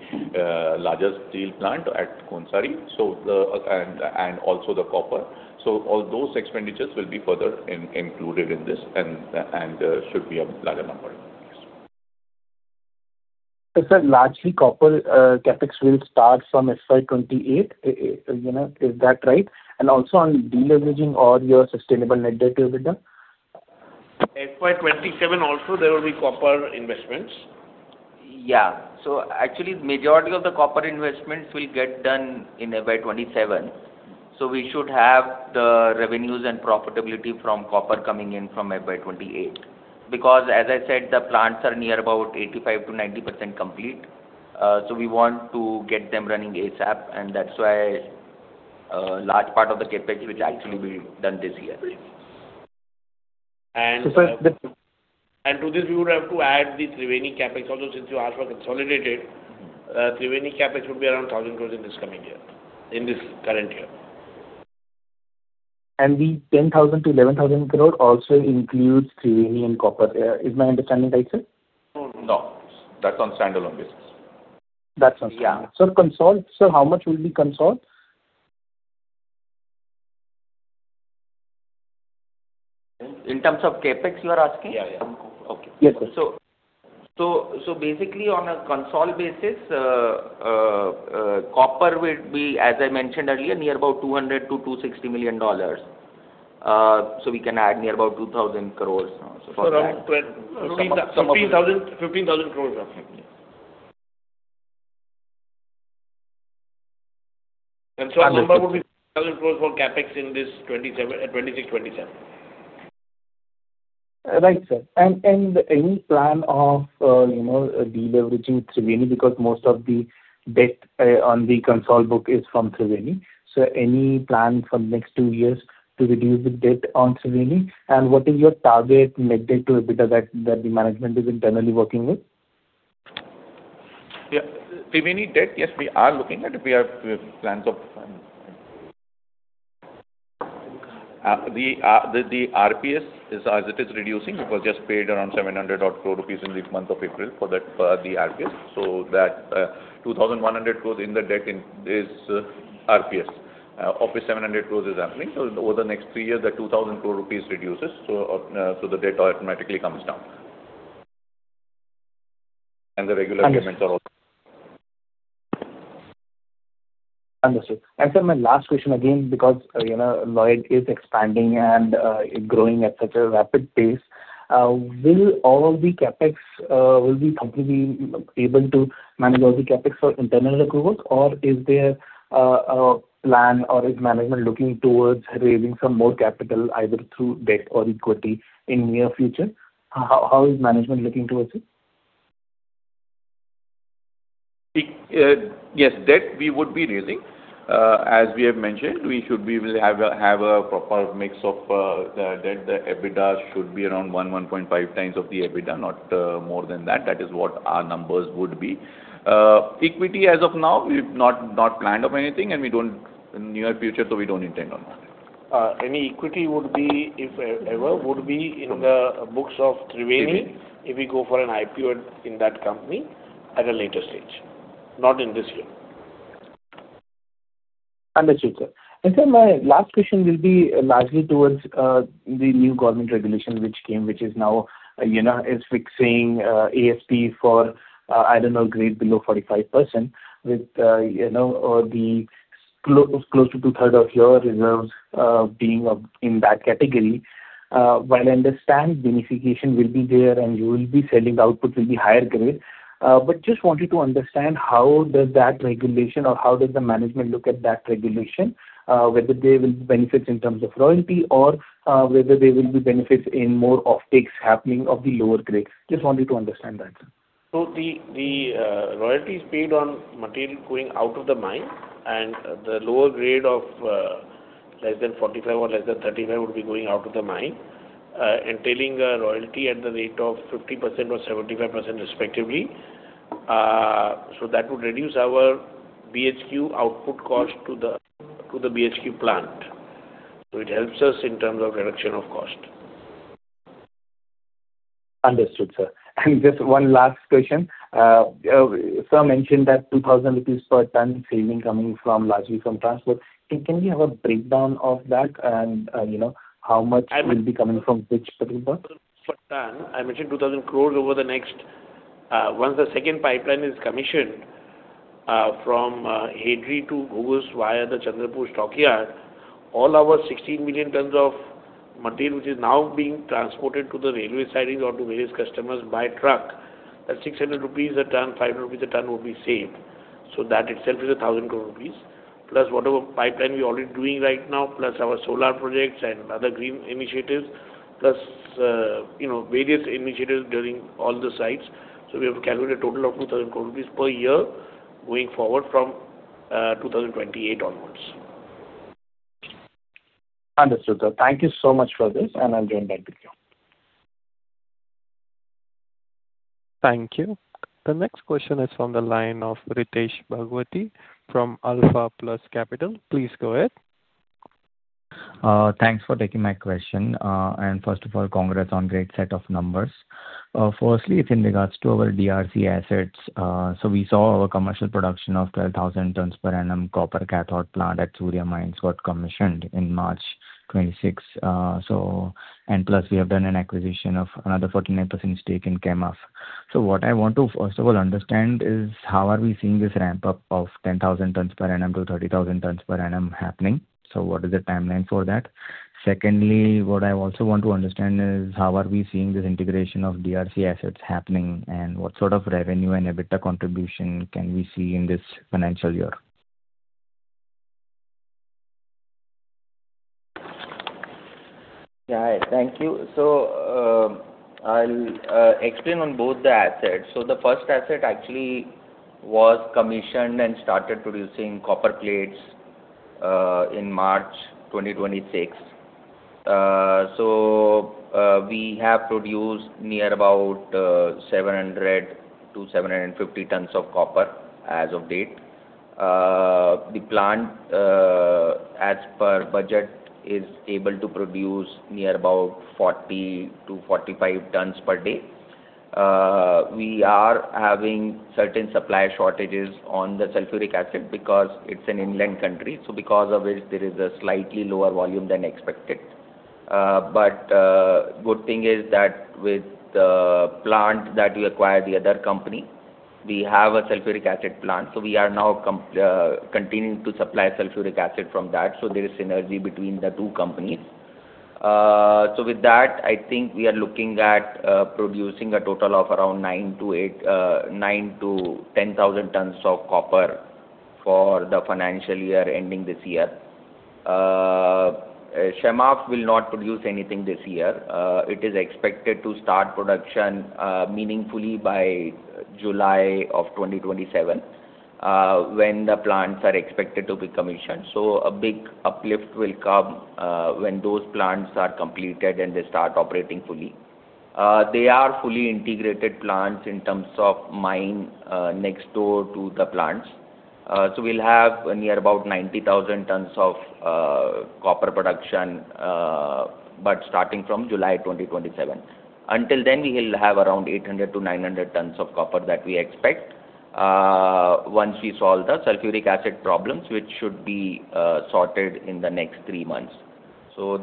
larger steel plant at Konsari. Also the copper. All those expenditures will be further included in this and should be a larger number next year. Is that largely copper, CapEx will start from FY 2028? You know, is that right? Also on deleveraging or your sustainable net debt-to-EBITDA? FY 2027 also there will be copper investments. Actually majority of the copper investments will get done in FY 2027. We should have the revenues and profitability from copper coming in from FY 2028. As I said, the plants are near about 85%-90% complete. We want to get them running ASAP, and that's why, large part of the CapEx which actually will be done this year. And- sir, To this we would have to add the Thriveni CapEx. Although since you asked for consolidated, Thriveni CapEx would be around 1,000 crores in this coming year, in this current year. The 10,000 crore-11,000 crore also includes Thriveni and copper. Is my understanding right, sir? No. That's on standalone basis. That's on standalone. Yeah. Sir, how much will be consol? In terms of CapEx, you are asking? Yeah. Okay. Yes, sir. So basically on a consol basis, copper will be, as I mentioned earlier, near about $200 million-$260 million. We can add near about 2,000 crores. So around twen- Some of it. INR 15,000 crores roughly. Our number would be 1,000 crores for CapEx in this 2026-2027. Right, sir. Any plan of, you know, de-leveraging Thriveni because most of the debt on the console book is from Thriveni. Any plan for the next two years to reduce the debt on Thriveni? What is your target net debt-to-EBITDA that the management is internally working with? Thriveni debt, yes, we are looking at it. We have plans of the RPS is as it is reducing because just paid around 700 rupees odd crore rupees in the month of April for that RPS. That 2,100 crores rupees in the debt in, is RPS. Of which 700 crores is happening. Over the next three years, the 2,000 crore rupees reduces, so the debt automatically comes down. The regular payments are also- Understood. Sir, my last question again, because, you know, Lloyds is expanding and growing at such a rapid pace, will all of the CapEx will be company be able to manage all the CapEx for internal accruals or is there a plan or is management looking towards raising some more capital either through debt or equity in near future? How is management looking towards it? Yes, debt we would be raising. As we have mentioned, we should be able to have a proper mix of the debt. The EBITDA should be around 1.5x of the EBITDA, not more than that. That is what our numbers would be. Equity as of now, we've not planned of anything, and we don't in near future. We don't intend on that. Any equity would be, if ever, would be in the books of Thriveni. Thriveni if we go for an IPO in that company at a later stage, not in this year. Understood, sir. Sir, my last question will be largely towards the new government regulation which came, which is now, you know, is fixing ASP for, I don't know, grade below 45% with, you know, close to two third of your reserves being up in that category. While I understand beneficiation will be there and you will be selling the output will be higher grade. Just wanted to understand how does that regulation or how does the management look at that regulation, whether there will be benefits in terms of royalty or, whether there will be benefits in more offtakes happening of the lower grade. Just wanted to understand that, sir. The royalty is paid on material going out of the mine and the lower grade of less than 45% or less than 35% would be going out of the mine, entailing a royalty at the rate of 50% or 75% respectively. That would reduce our BHQ output cost to the BHQ plant. It helps us in terms of reduction of cost. Understood, sir. Just one last question. sir mentioned that 2,000 rupees per tonne saving coming from largely from transport. Can we have a breakdown of that and, you know, how much? I will- Will be coming from which particular? Per ton. I mentioned 2,000 crores over the next, once the second pipeline is commissioned, from Hedri to Ghugus via the Chandrapur stockyard, all our 16 million tonne of material, which is now being transported to the railway sidings or to various customers by truck, that 600 rupees a ton, 500 rupees a ton would be saved. That itself is 1,000 crores rupees. Plus whatever pipeline we're already doing right now, plus our solar projects and other green initiatives, plus, you know, various initiatives during all the sites. We have calculated a total of 2,000 crores rupees per year going forward from 2028 onwards. Understood, sir. Thank you so much for this, and I'll join back with you. Thank you. The next question is on the line of Ritesh Bhagwati from Alpha Plus Capital. Please go ahead. Thanks for taking my question. First of all, congrats on great set of numbers. Firstly, it's in regards to our DRC assets. We saw our commercial production of 12,000 tonne per annum copper cathode plant at Surya Mines got commissioned in March 2026. We have done an acquisition of another 49% stake in Chemaf. What I want to first of all understand is how are we seeing this ramp up of 10,000 tonnes per annum-30,000 tonnes per annum happening? What is the timeline for that? Secondly, what I also want to understand is how are we seeing this integration of DRC assets happening and what sort of revenue and EBITDA contribution can we see in this financial year? Thank you. I'll explain on both the assets. The first asset actually was commissioned and started producing copper cathodes in March 2026. We have produced near about 700 to 750 tonne of copper as of date. The plant, as per budget, is able to produce near about 40 tonnes-45 tonnes per day. We are having certain supply shortages on the sulfuric acid because it's an inland country, so because of it, there is a slightly lower volume than expected. Good thing is that with the plant that we acquired, the other company, we have a sulfuric acid plant, so we are now continuing to supply sulfuric acid from that. There is synergy between the two companies. With that, I think we are looking at producing a total of around 9,000 tonnes-10,000 tonnes of copper for the financial year ending this year. Chemaf will not produce anything this year. It is expected to start production meaningfully by July of 2027, when the plants are expected to be commissioned. A big uplift will come when those plants are completed and they start operating fully. They are fully integrated plants in terms of mine, next door to the plants. We'll have near about 90,000 tonne of copper production, but starting from July 2027. Until then, we will have around 800 tonnes -900 tonnes of copper that we expect once we solve the sulfuric acid problems, which should be sorted in the next three months.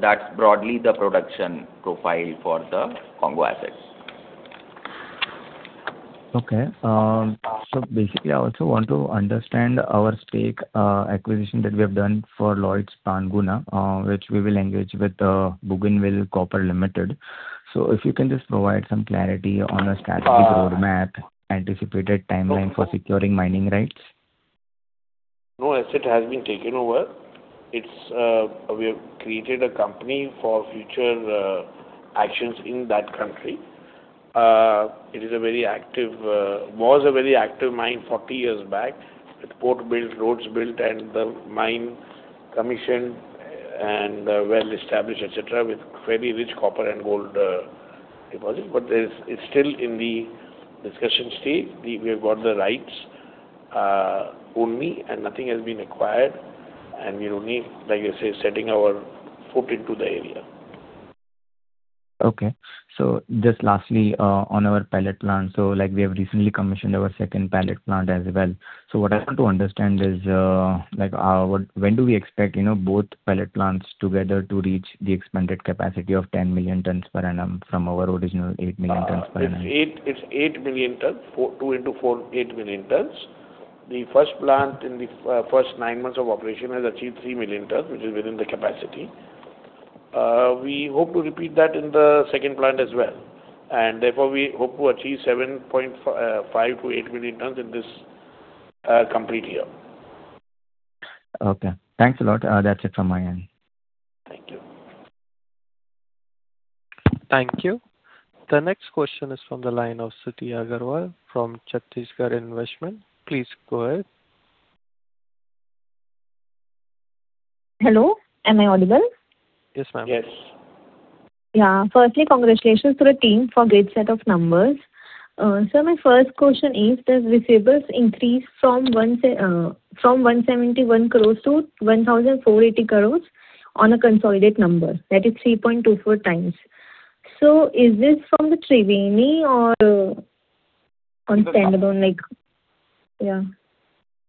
That's broadly the production profile for the Congo assets. Okay. Basically I also want to understand our stake acquisition that we have done for Lloyds Panguna, which we will engage with Bougainville Copper Limited. If you can just provide some clarity on the strategic roadmap, anticipated timeline for securing mining rights. No asset has been taken over. It's, we have created a company for future actions in that country. It is a very active, was a very active mine 40 years back, with port built, roads built and the mine commissioned and well established, et cetera, with very rich copper and gold deposit. It's still in the discussion stage. We have got the rights only, and nothing has been acquired, and we're only, like I say, setting our foot into the area. Okay. Just lastly, on our pellet plant. Like, we have recently commissioned our second pellet plant as well. What I want to understand is, like, when do we expect, you know, both pellet plants together to reach the expanded capacity of 10 million tonne per annum from our original 8 million tonne per annum? It's 8 million tonne. Four, 2 million tonnes into four, 8 million tonne. The first plant in the first nine months of operation has achieved 3 million tonne, which is within the capacity. We hope to repeat that in the second plant as well. Therefore, we hope to achieve 7.5 million tonne-8 million tonne in this complete year. Okay. Thanks a lot. That's it from my end. Thank you. Thank you. The next question is from the line of Stuti Agarwal from Chhattisgarh Investment. Please go ahead. Hello, am I audible? Yes, ma'am. Yes. Yeah. Firstly, congratulations to the team for great set of numbers. My first question is, does receivables increase from 171 crores to 1,480 crores on a consolidated number? That is 3.24x. Is this from the Thriveni or on standalone?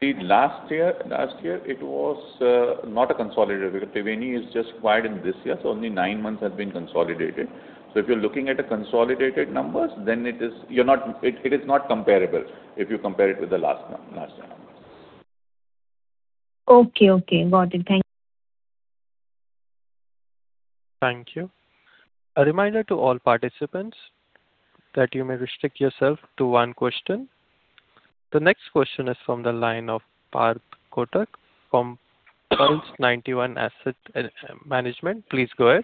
Last year it was not a consolidated because Thriveni is just acquired in this year, so only nine months has been consolidated. If you're looking at a consolidated numbers, then it is not comparable if you compare it with the last year numbers. Okay. Okay. Got it. Thank you. Thank you. A reminder to all participants that you may restrict yourself to one question. The next question is from the line of Parth Kotak from Plus91 Asset Management. Please go ahead.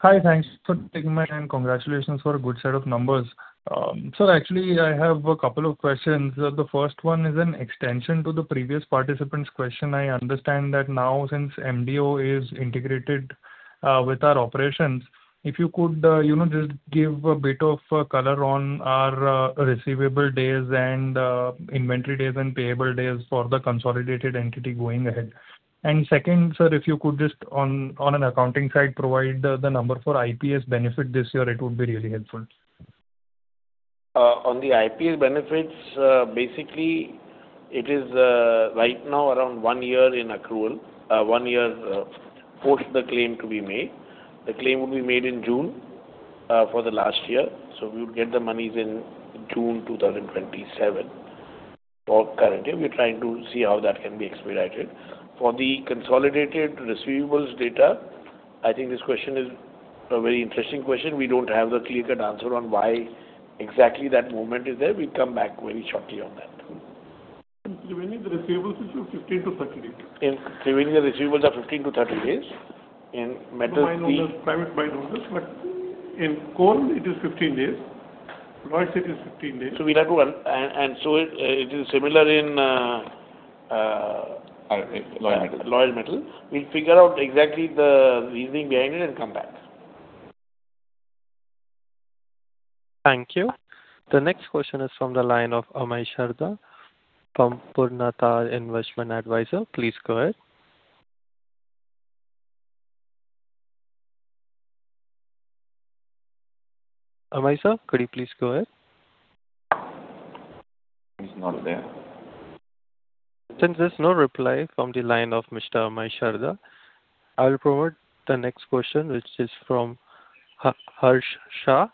Hi. Thanks for taking my time. Congratulations for a good set of numbers. Actually I have a couple of questions. The first one is an extension to the previous participant's question. I understand that now since MDO is integrated, you know, with our operations, if you could just give a bit of color on our receivable days and inventory days and payable days for the consolidated entity going ahead. Second, sir, if you could just on an accounting side provide the number for IPS benefit this year, it would be really helpful. On the IPS benefits, basically it is right now around one year in accrual, one year post the claim to be made. The claim will be made in June, for the last year, so we would get the monies in June 2027 for currently. We're trying to see how that can be expedited. For the consolidated receivables data, I think this question is a very interesting question. We don't have the clear-cut answer on why exactly that movement is there. We'll come back very shortly on that. In Thriveni, the receivables is your 15 days-30 days. In Thriveni, the receivables are 15days-30 days. In Metals. Mine owners, private mine owners, but in coal it is 15 days. Lloyds it is 15 days. So we'll have to run-- And, and so it, uh, it is similar in, uh- Lloyds Metals Lloyds Metals. We'll figure out exactly the reasoning behind it and come back. Thank you. The next question is from the line of Amay Sharda from Purnartha Investment Advisers. Please go ahead. Amay Sharda, could you please go ahead? He's not there. Since there's no reply from the line of Mr. Amay Sharda, I will forward the next question, which is from Harsh Shah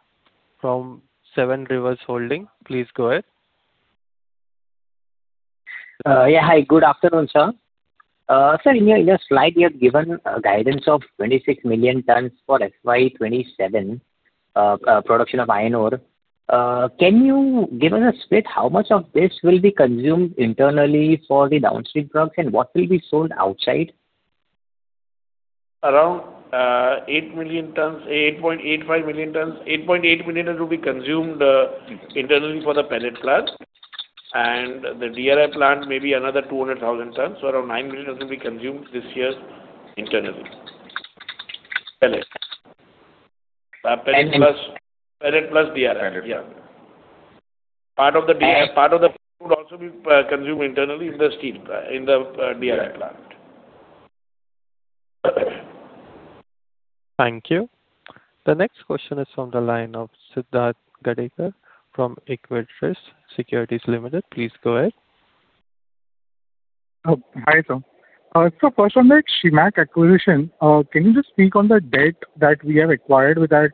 from Seven Rivers Holding. Please go ahead. yeah. Hi, good afternoon, sir. sir, in your slide, you have given a guidance of 26 million tonne for FY 2027. Production of iron ore. Can you give us a split how much of this will be consumed internally for the downstream products, and what will be sold outside? Around 8 million tonne, 8.85 million tonne. 8.8 million tonne will be consumed internally for the pellet plant. The DRI plant maybe another 200,000 tonne. Around 9 million tonne will be consumed this year internally. Pellet. And, and- Pellet plus DRI. Yeah. Pellet. Part of the DRI And- Part of the would also be consumed internally in the DRI plant. Yeah. Okay. Thank you. The next question is from the line of Siddharth Gadekar from Equirus Securities Limited. Please go ahead. Hi, sir. First on the Chemaf acquisition, can you just speak on the debt that we have acquired with that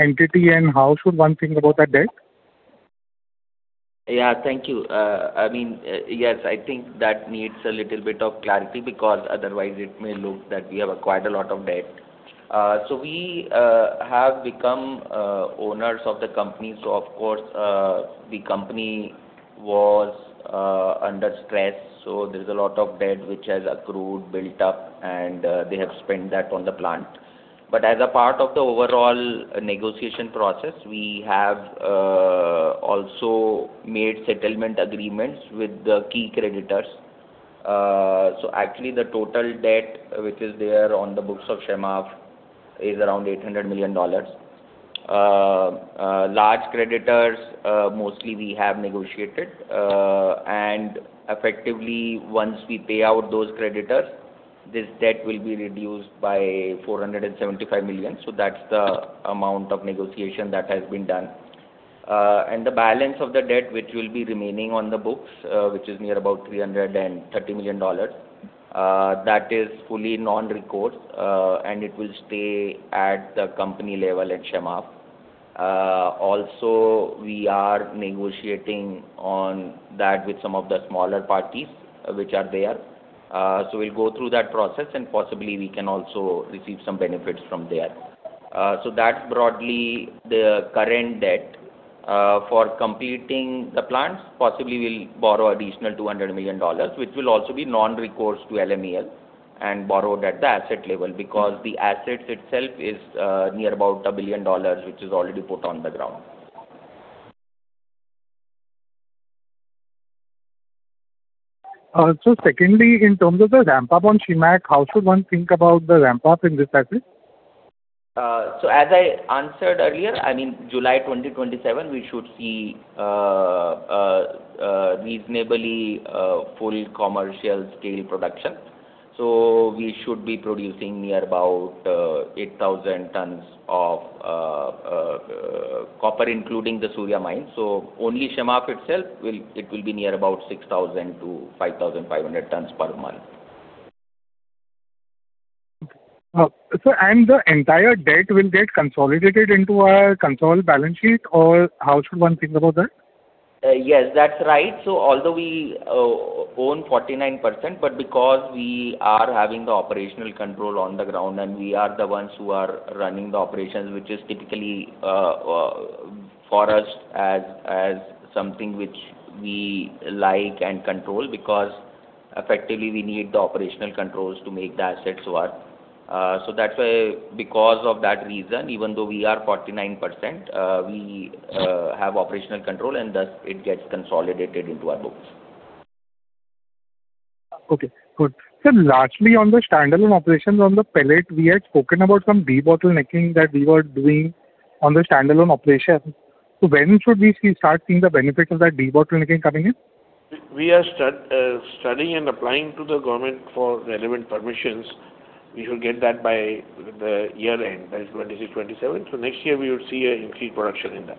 entity, and how should one think about that debt? Yeah, thank you. I mean, yes, I think that needs a little bit of clarity because otherwise it may look that we have acquired a lot of debt. We have become owners of the company. Of course, the company was under stress, there's a lot of debt which has accrued, built up, and they have spent that on the plant. As a part of the overall negotiation process, we have also made settlement agreements with the key creditors. Actually the total debt which is there on the books of Chemaf is around $800 million. Large creditors, mostly we have negotiated. Effectively, once we pay out those creditors, this debt will be reduced by $475 million. That's the amount of negotiation that has been done. The balance of the debt which will be remaining on the books, which is near about $330 million, that is fully non-recourse, and it will stay at the company level at Chemaf. We are negotiating on that with some of the smaller parties which are there. We'll go through that process, and possibly we can also receive some benefits from there. That's broadly the current debt. For completing the plants, possibly we'll borrow additional $200 million, which will also be non-recourse to LMEL and borrowed at the asset level because the asset itself is near about $1 billion, which is already put on the ground. Secondly, in terms of the ramp-up on Chemaf, how should one think about the ramp-up in this asset? As I answered earlier, I mean July 2027, we should see reasonably full commercial scale production. We should be producing near about 8,000 tonne of copper, including the Surya Mines. Only Chemaf itself will be near about 6,000 tonnes-5,500 tonnes per month. The entire debt will get consolidated into our consolidated balance sheet, or how should one think about that? Yes, that's right. Although we own 49%, but because we are having the operational control on the ground, and we are the ones who are running the operations, which is typically for us as something which we like and control because effectively we need the operational controls to make the assets work. That's why, because of that reason, even though we are 49%, we have operational control, and thus it gets consolidated into our books. Okay, good. Largely on the standalone operations on the pellet, we had spoken about some debottlenecking that we were doing on the standalone operation. When should we start seeing the benefits of that debottlenecking coming in? We are studying and applying to the government for relevant permissions. We should get that by the year end, by 2026, 2027. Next year we will see an increased production in that.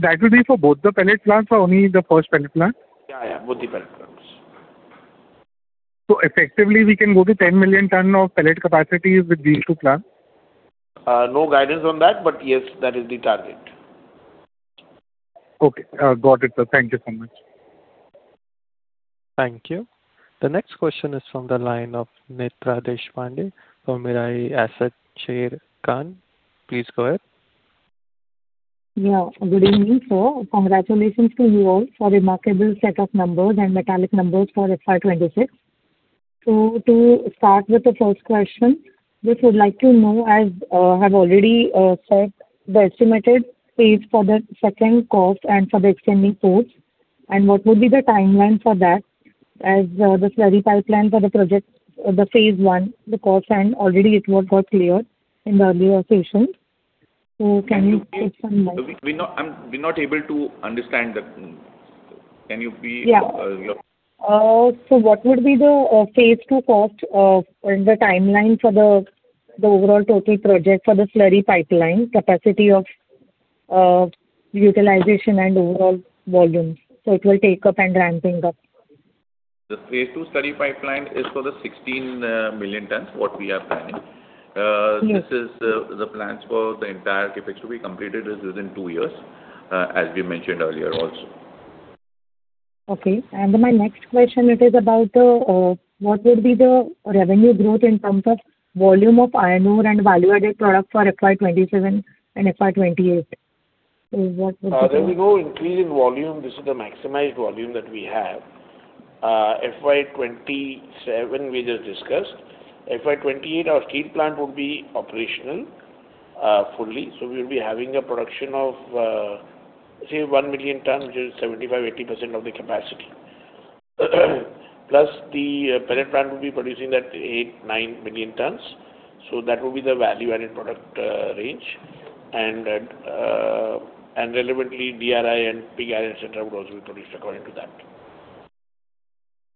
That will be for both the pellet plants or only the first pellet plant? Yeah, yeah, both the pellet plants. Effectively, we can go to 10 million ton of pellet capacity with these two plants? No guidance on that, but yes, that is the target. Okay. Got it, sir. Thank you so much. Thank you. The next question is from the line of Netra Deshpande from Mirae Asset Sharekhan. Please go ahead. Good evening, sir. Congratulations to you all for remarkable set of numbers and metallic numbers for FY 2026. To start with the first question, just would like to know, as have already said the estimated phase for the second cost and for the extending costs, and what would be the timeline for that as the slurry pipeline for the project, the phase 1, the cost and already it got cleared in the earlier session. Can you please tell more? We not, we're not able to understand the. Can you please, repeat your- What would be the phase 2 cost and the timeline for the overall total project for the slurry pipeline capacity of utilization and overall volumes? It will take up and ramping up. The phase 2 slurry pipeline is for the 16 million tonnes, what we are planning. Yes. This is the plans for the entire CapEx to be completed is within two years, as we mentioned earlier also. Okay. My next question it is about, what would be the revenue growth in terms of volume of iron ore and value-added product for FY 2027 and FY 2028? What would you say? There'll be no increase in volume. This is the maximized volume that we have. FY 2027 we just discussed. FY 2028 our steel plant would be operational fully, we'll be having a production of say 1 million tonne, which is 75%-80% of the capacity. The pellet plant will be producing that 8 million tonnes-9 million tonnes. That will be the value-added product range. Relevantly DRI and pig iron et cetera would also be produced according to that.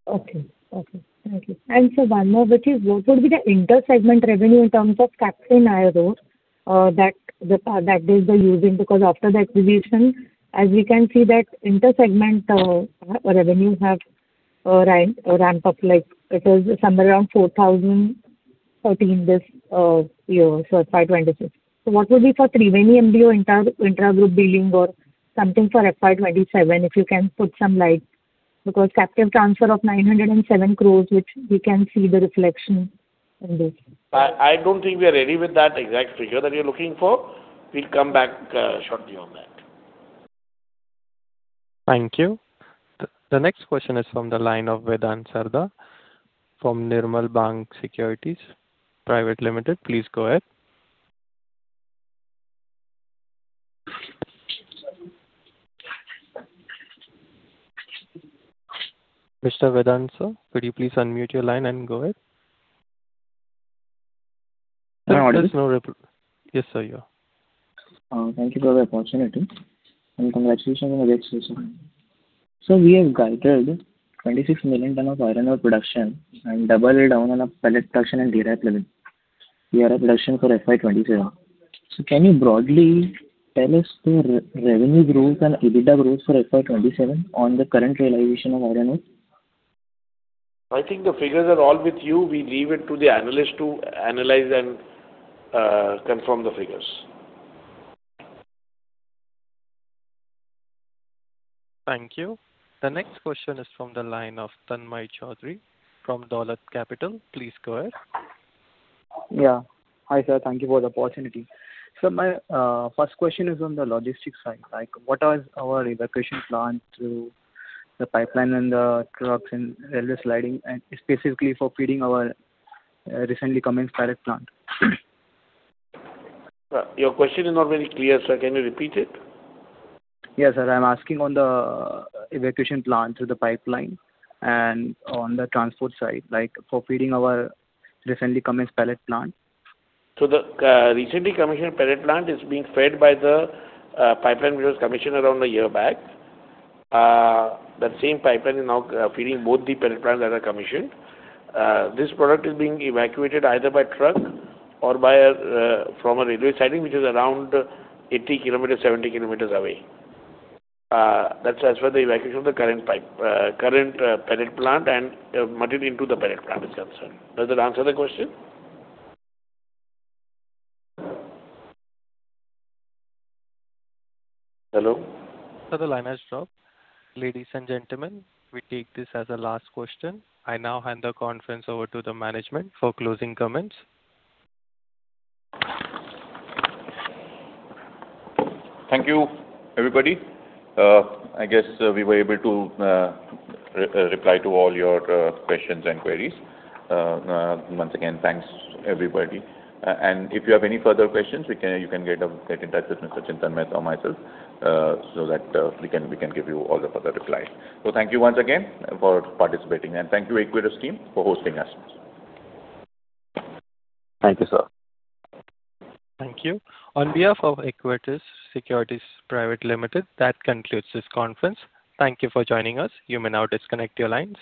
Okay. Okay. Thank you. Sir, one more, which is what would be the inter-segment revenue in terms of captive iron ore that is using? Because after the acquisition, as we can see that inter-segment revenue have ramp up like it is somewhere around 4,013 this year, so FY 2026. What would be for Thriveni MDO inter, intra-group billing or something for FY 2027, if you can put some light? Because captive transfer of 907 crore which we can see the reflection in this. I don't think we are ready with that exact figure that you're looking for. We'll come back shortly on that. Thank you. The next question is from the line of Vedant Sarda from Nirmal Bang Securities Private Limited. Please go ahead. Mr. Vedant, sir, could you please unmute your line and go ahead? Sir- There's no reply. Yes, sir, you. Thank you for the opportunity and congratulations on the great results. Sir, we have guided 26 million tonne of iron ore production and double it down on our pellet production and DRI production for FY 2027. Can you broadly tell us the revenue growth and EBITDA growth for FY 2027 on the current realization of iron ore? I think the figures are all with you. We leave it to the analyst to analyze and confirm the figures. Thank you. The next question is from the line of Tanmay Choudhary from Dolat Capital. Please go ahead. Hi, sir. Thank you for the opportunity. My first question is on the logistics side. Like what are our evacuation plan through the pipeline and the trucks and railway siding and specifically for feeding our recently commenced pellet plant? Your question is not very clear, sir. Can you repeat it? Yes, sir. I'm asking on the evacuation plan through the pipeline and on the transport side, like for feeding our recently commenced pellet plant. The recently commissioned pellet plant is being fed by the pipeline which was commissioned around a year back. That same pipeline is now feeding both the pellet plants that are commissioned. This product is being evacuated either by truck or by a from a railway siding, which is around 80 km-70 km away. That's for the evacuation of the current pellet plant and material into the pellet plant is concerned. Does that answer the question? Hello? Sir, the line has dropped. Ladies and gentlemen, we take this as the last question. I now hand the conference over to the management for closing comments. Thank you, everybody. I guess we were able to re-reply to all your questions and queries. Once again, thanks everybody. If you have any further questions, you can get in touch with Mr. Chintan Mehta or myself, so that we can give you all the further reply. Thank you once again for participating and thank you Equirus team for hosting us. Thank you, sir. Thank you. On behalf of Equirus Securities Private Limited, that concludes this conference. Thank you for joining us. You may now disconnect your lines.